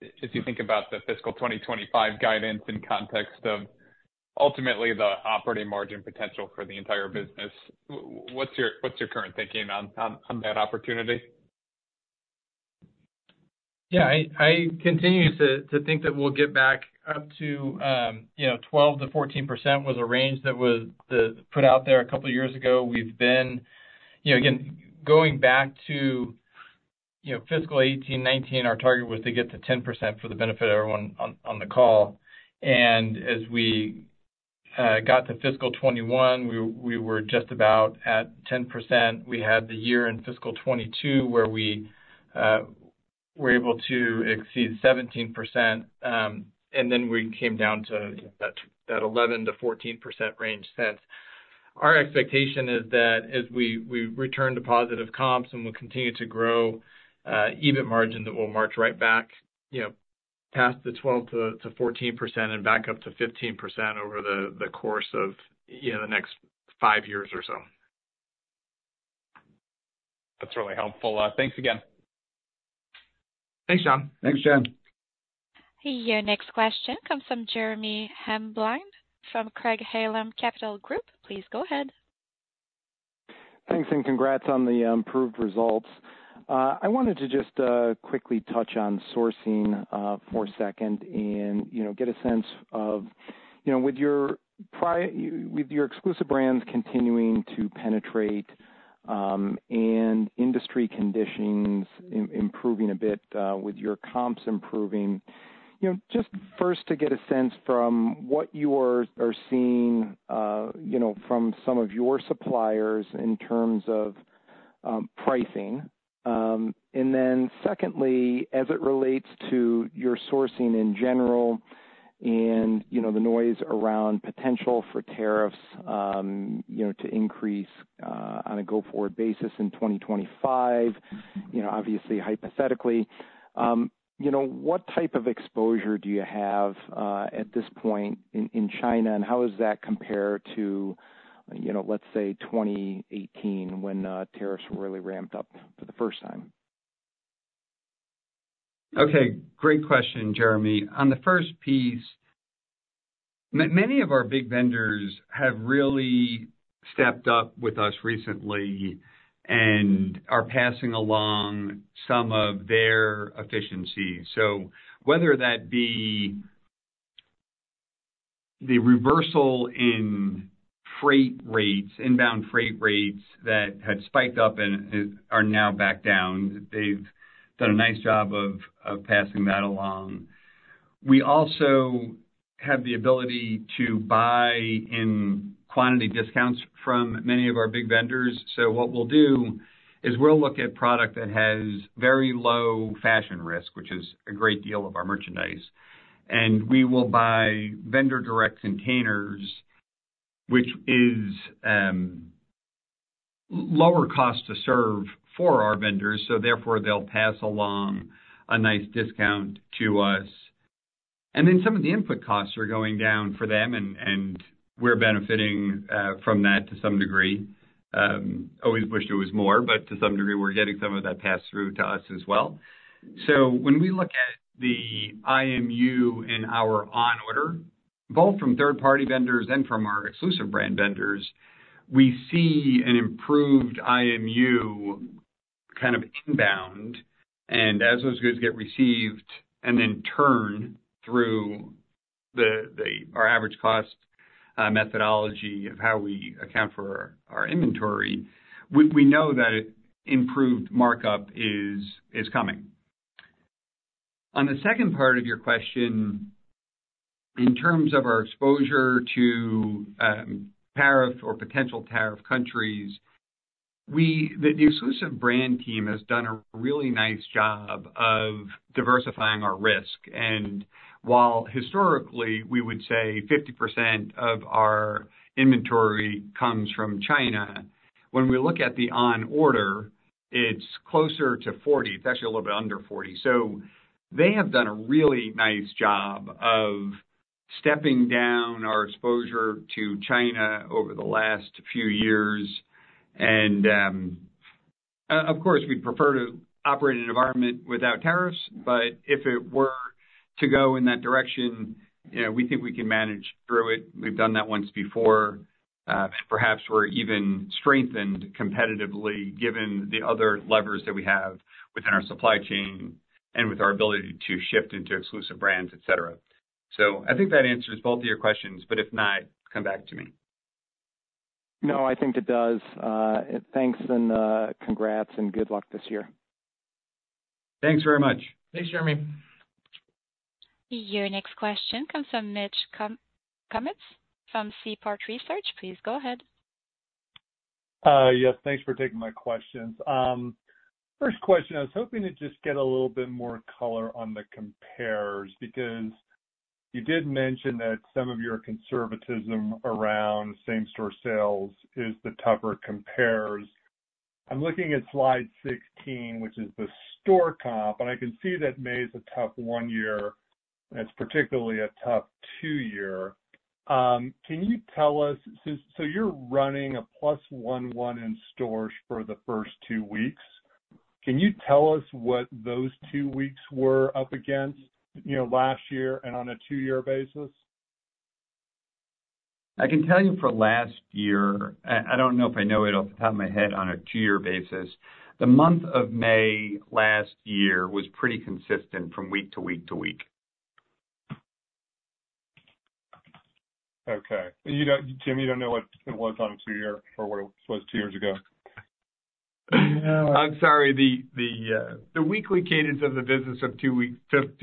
if you think about the fiscal 2025 guidance in context of ultimately the operating margin potential for the entire business, what's your current thinking on that opportunity? Yeah. I continue to think that we'll get back up to 12%-14% was a range that was put out there a couple of years ago. We've been, again, going back to fiscal 2018, 2019, our target was to get to 10% for the benefit of everyone on the call. And as we got to fiscal 2021, we were just about at 10%. We had the year in fiscal 2022 where we were able to exceed 17%. And then we came down to that 11%-14% range since. Our expectation is that as we return to positive comps and we continue to grow, EBIT margin that will march right back past the 12%-14% and back up to 15% over the course of the next five years or so. That's really helpful. Thanks again. Thanks, John. Thanks, John. Your next question comes from Jeremy Hamblin from Craig-Hallum Capital Group. Please go ahead. Thanks and congrats on the improved results. I wanted to just quickly touch on sourcing for a second and get a sense of, with your exclusive brands continuing to penetrate and industry conditions improving a bit with your comps improving, just first to get a sense from what you are seeing from some of your suppliers in terms of pricing. Then secondly, as it relates to your sourcing in general and the noise around potential for tariffs to increase on a go-forward basis in 2025, obviously, hypothetically, what type of exposure do you have at this point in China, and how does that compare to, let's say, 2018 when tariffs were really ramped up for the first time? Okay. Great question, Jeremy. On the first piece, many of our big vendors have really stepped up with us recently and are passing along some of their efficiencies. So whether that be the reversal in freight rates, inbound freight rates that had spiked up and are now back down, they've done a nice job of passing that along. We also have the ability to buy in quantity discounts from many of our big vendors. So what we'll do is we'll look at product that has very low fashion risk, which is a great deal of our merchandise. And we will buy vendor-direct containers, which is lower cost to serve for our vendors. So therefore, they'll pass along a nice discount to us. And then some of the input costs are going down for them, and we're benefiting from that to some degree. Always wished it was more, but to some degree, we're getting some of that passed through to us as well. So when we look at the IMU in our on-order, both from third-party vendors and from our exclusive brand vendors, we see an improved IMU kind of inbound. And as those goods get received and then turn through our average cost methodology of how we account for our inventory, we know that improved markup is coming. On the second part of your question, in terms of our exposure to tariff or potential tariff countries, the exclusive brand team has done a really nice job of diversifying our risk. And while historically, we would say 50% of our inventory comes from China, when we look at the on-order, it's closer to 40%. It's actually a little bit under 40%. So they have done a really nice job of stepping down our exposure to China over the last few years. And of course, we'd prefer to operate in an environment without tariffs. But if it were to go in that direction, we think we can manage through it. We've done that once before. And perhaps we're even strengthened competitively given the other levers that we have within our supply chain and with our ability to shift into exclusive brands, etc. So I think that answers both of your questions. But if not, come back to me. No, I think it does. Thanks and congrats and good luck this year. Thanks very much. Thanks, Jeremy. Your next question comes from Mitch Kummetz from Seaport Research. Please go ahead. Yes. Thanks for taking my questions. First question, I was hoping to just get a little bit more color on the compares because you did mention that some of your conservatism around same-store sales is the tougher compares. I'm looking at slide 16, which is the store comp. I can see that May is a tough one-year. It's particularly a tough two-year. Can you tell us, so you're running +11% in stores for the first two weeks. Can you tell us what those two weeks were up against last year and on a two-year basis? I can tell you for last year. I don't know if I know it off the top of my head on a two-year basis. The month of May last year was pretty consistent from week to week to week. Okay. Jim, you don't know what it was on a 2-year or what it was 2 years ago? I'm sorry. The weekly cadence of the business of two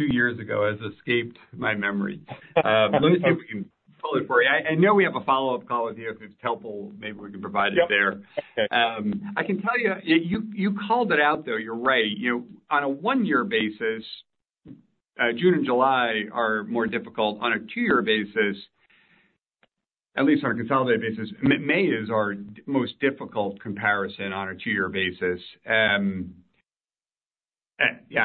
years ago has escaped my memory. Let me see if we can pull it for you. I know we have a follow-up call with you. If it's helpful, maybe we can provide it there. I can tell you, you called it out, though. You're right. On a one-year basis, June and July are more difficult. On a two-year basis, at least on a consolidated basis, May is our most difficult comparison on a two-year basis. Yeah.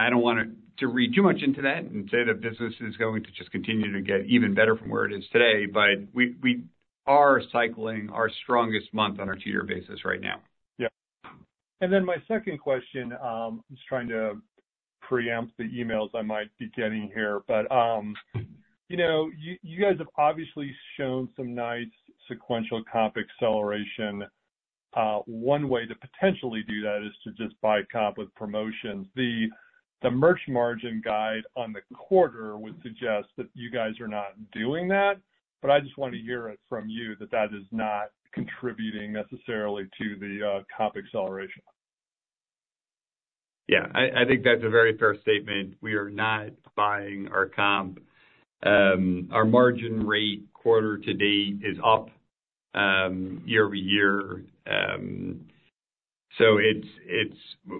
I don't want to read too much into that and say that business is going to just continue to get even better from where it is today. But we are cycling our strongest month on a two-year basis right now. Yeah. Then my second question, I'm just trying to preempt the emails I might be getting here. But you guys have obviously shown some nice sequential comp acceleration. One way to potentially do that is to just buy comp with promotions. The merch margin guide on the quarter would suggest that you guys are not doing that. But I just want to hear it from you that that is not contributing necessarily to the comp acceleration. Yeah. I think that's a very fair statement. We are not buying our comp. Our margin rate quarter-to-date is up year-over-year. So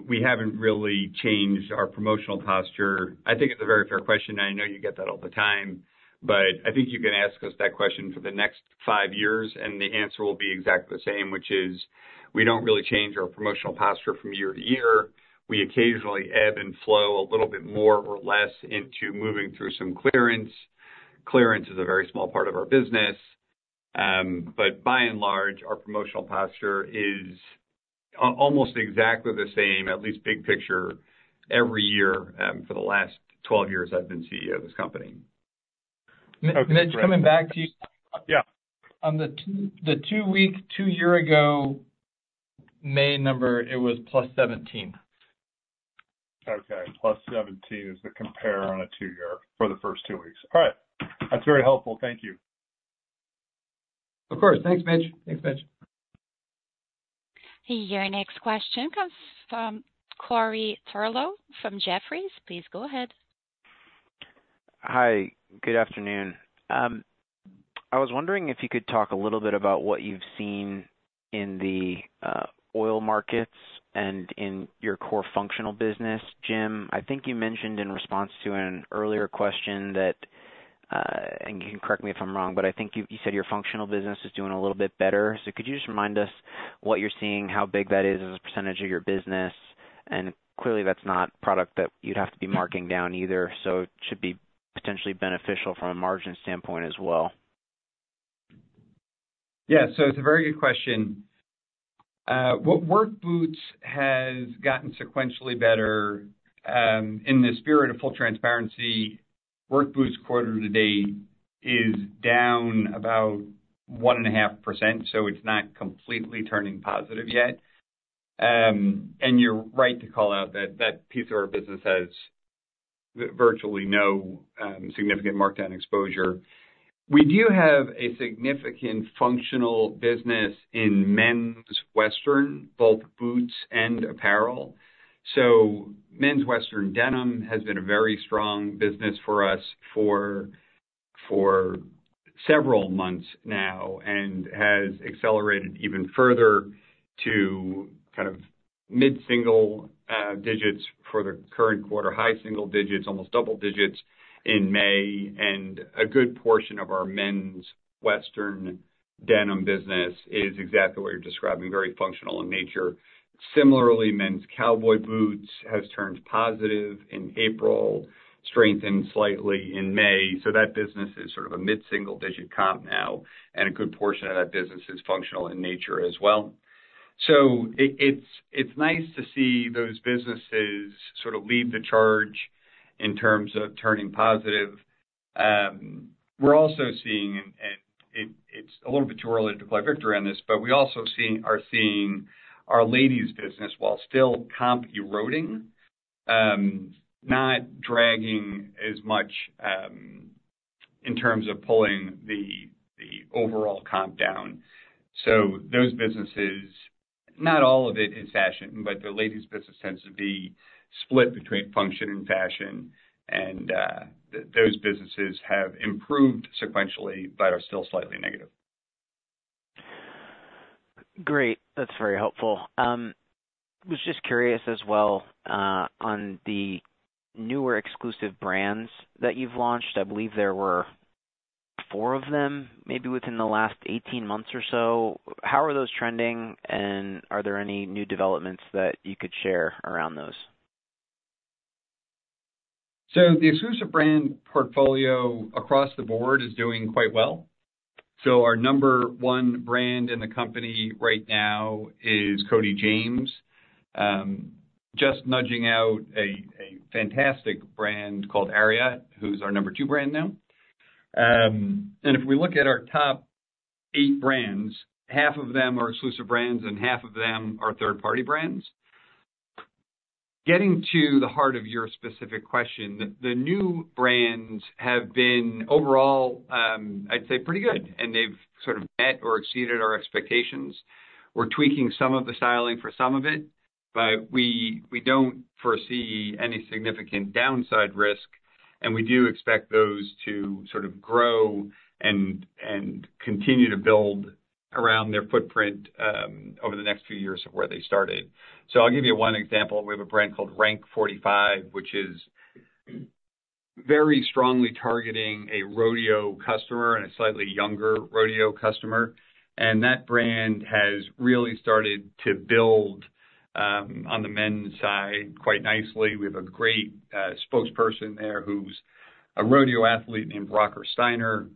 we haven't really changed our promotional posture. I think it's a very fair question. I know you get that all the time. But I think you can ask us that question for the next five years, and the answer will be exactly the same, which is we don't really change our promotional posture from year to year. We occasionally ebb and flow a little bit more or less into moving through some clearance. Clearance is a very small part of our business. But by and large, our promotional posture is almost exactly the same, at least big picture, every year for the last 12 years I've been CEO of this company. Mitch, coming back to you. On the 2-week, 2-year-ago May number, it was +17. Okay. +17 is the compare on a 2-year for the first 2 weeks. All right. That's very helpful. Thank you. Of course. Thanks, Mitch. Thanks, Mitch. Your next question comes from Corey Tarlowe from Jefferies. Please go ahead. Hi. Good afternoon. I was wondering if you could talk a little bit about what you've seen in the oil markets and in your core functional business, Jim. I think you mentioned in response to an earlier question that and you can correct me if I'm wrong, but I think you said your functional business is doing a little bit better. So could you just remind us what you're seeing, how big that is as a percentage of your business? And clearly, that's not product that you'd have to be marking down either. So it should be potentially beneficial from a margin standpoint as well. Yeah. So it's a very good question. What work boots has gotten sequentially better. In the spirit of full transparency, work boots quarter to date is down about 1.5%. So it's not completely turning positive yet. And you're right to call out that piece of our business has virtually no significant markdown exposure. We do have a significant functional business in men's Western, both boots and apparel. So men's Western denim has been a very strong business for us for several months now and has accelerated even further to kind of mid-single digits for the current quarter, high single digits, almost double digits in May. And a good portion of our men's Western denim business is exactly what you're describing, very functional in nature. Similarly, men's cowboy boots has turned positive in April, strengthened slightly in May. So that business is sort of a mid-single digit comp now. And a good portion of that business is functional in nature as well. So it's nice to see those businesses sort of lead the charge in terms of turning positive. We're also seeing, and it's a little bit too early to play victory on this, but we also are seeing our ladies' business while still comp eroding, not dragging as much in terms of pulling the overall comp down. So those businesses, not all of it is fashion, but the ladies' business tends to be split between function and fashion. And those businesses have improved sequentially but are still slightly negative. Great. That's very helpful. I was just curious as well on the newer exclusive brands that you've launched. I believe there were four of them maybe within the last 18 months or so. How are those trending? And are there any new developments that you could share around those? So the exclusive brand portfolio across the board is doing quite well. So our number one brand in the company right now is Cody James, just nudging out a fantastic brand called Ariat, who's our number two brand now. And if we look at our top eight brands, half of them are exclusive brands and half of them are third-party brands. Getting to the heart of your specific question, the new brands have been overall, I'd say, pretty good. And they've sort of met or exceeded our expectations. We're tweaking some of the styling for some of it, but we don't foresee any significant downside risk. And we do expect those to sort of grow and continue to build around their footprint over the next few years of where they started. So I'll give you one example. We have a brand called Rank 45, which is very strongly targeting a rodeo customer and a slightly younger rodeo customer. And that brand has really started to build on the men's side quite nicely. We have a great spokesperson there who's a rodeo athlete named Rocker Steiner.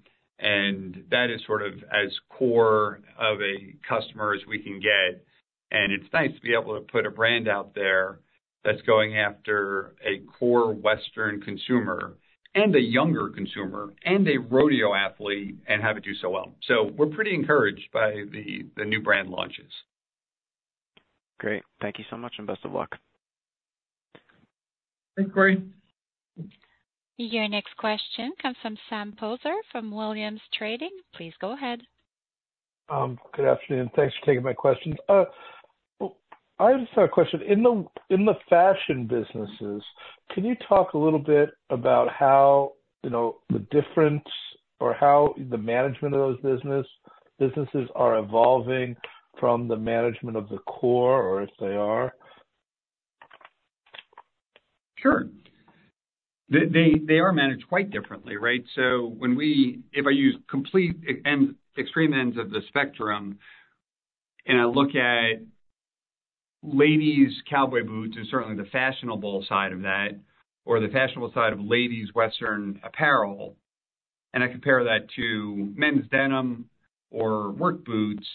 And that is sort of as core of a customer as we can get. And it's nice to be able to put a brand out there that's going after a core Western consumer and a younger consumer and a rodeo athlete and have it do so well. So we're pretty encouraged by the new brand launches. Great. Thank you so much and best of luck. Thanks, Corey. Your next question comes from Sam Poser from Williams Trading. Please go ahead. Good afternoon. Thanks for taking my question. I just have a question. In the fashion businesses, can you talk a little bit about how the difference or how the management of those businesses are evolving from the management of the core, or if they are? Sure. They are managed quite differently, right? So if I use complete extreme ends of the spectrum and I look at ladies' cowboy boots and certainly the fashionable side of that or the fashionable side of ladies' Western apparel, and I compare that to men's denim or work boots,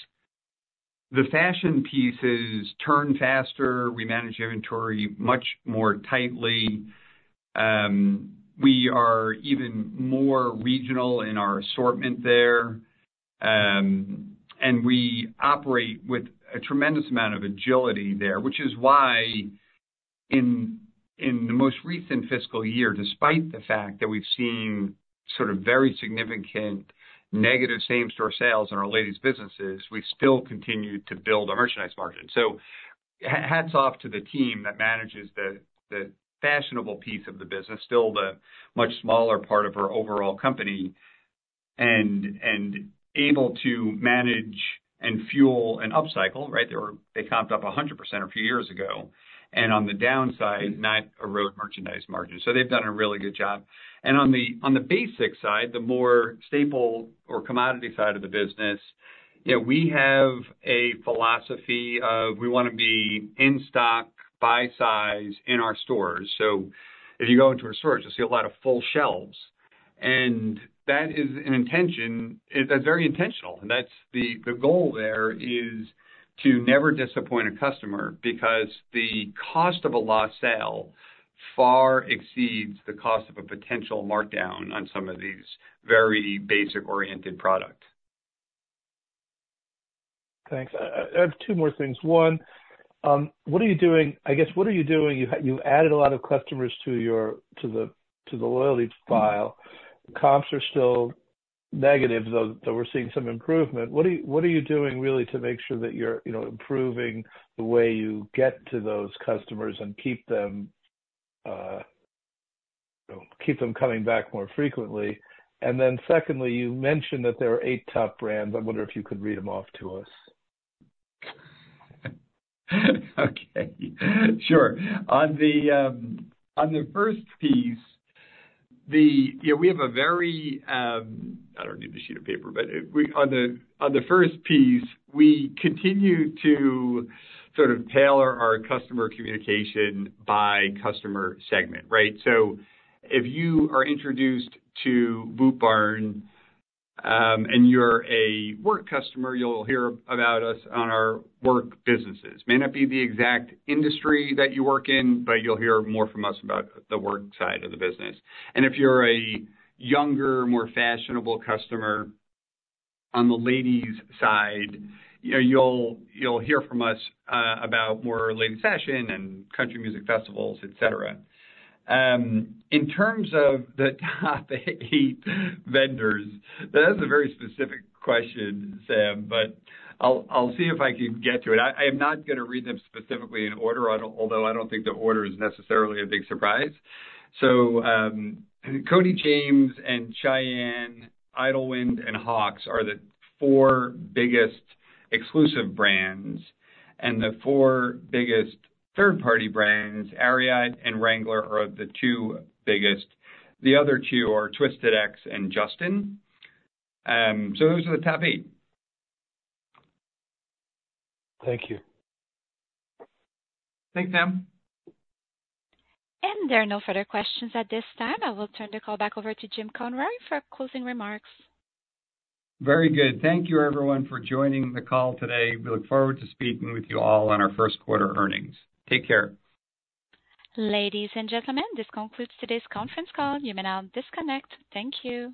the fashion pieces turn faster. We manage inventory much more tightly. We are even more regional in our assortment there. And we operate with a tremendous amount of agility there, which is why in the most recent fiscal year, despite the fact that we've seen sort of very significant negative same-store sales in our ladies' businesses, we still continue to build our merchandise margin. So hats off to the team that manages the fashionable piece of the business, still the much smaller part of our overall company, and able to manage and fuel an upcycle, right? They comped up 100% a few years ago. And on the downside, not erode merchandise margin. So they've done a really good job. And on the basic side, the more staple or commodity side of the business, we have a philosophy of we want to be in stock by size in our stores. So if you go into a store, you'll see a lot of full shelves. And that is an intention. That's very intentional. And the goal there is to never disappoint a customer because the cost of a lost sale far exceeds the cost of a potential markdown on some of these very basic-oriented products. Thanks. I have two more things. One, what are you doing, I guess? What are you doing? You added a lot of customers to the loyalty file. Comps are still negative, though we're seeing some improvement. What are you doing really to make sure that you're improving the way you get to those customers and keep them coming back more frequently? And then secondly, you mentioned that there are eight top brands. I wonder if you could read them off to us. Okay. Sure. On the first piece, I don't need the sheet of paper, but on the first piece, we continue to sort of tailor our customer communication by customer segment, right? So if you are introduced to Boot Barn and you're a work customer, you'll hear about us on our work businesses. It may not be the exact industry that you work in, but you'll hear more from us about the work side of the business. And if you're a younger, more fashionable customer on the ladies' side, you'll hear from us about more lady fashion and country music festivals, etc. In terms of the top eight vendors, that's a very specific question, Sam, but I'll see if I can get to it. I am not going to read them specifically in order, although I don't think the order is necessarily a big surprise. So Cody James and Shyanne, Idyllwind, and Hawx are the four biggest exclusive brands. And the four biggest third-party brands, Ariat and Wrangler, are the two biggest. The other two are Twisted X and Justin. So those are the top eight. Thank you. Thanks, Sam. There are no further questions at this time. I will turn the call back over to Jim Conroy for closing remarks. Very good. Thank you, everyone, for joining the call today. We look forward to speaking with you all on our first quarter earnings. Take care. Ladies and gentlemen, this concludes today's conference call. You may now disconnect. Thank you.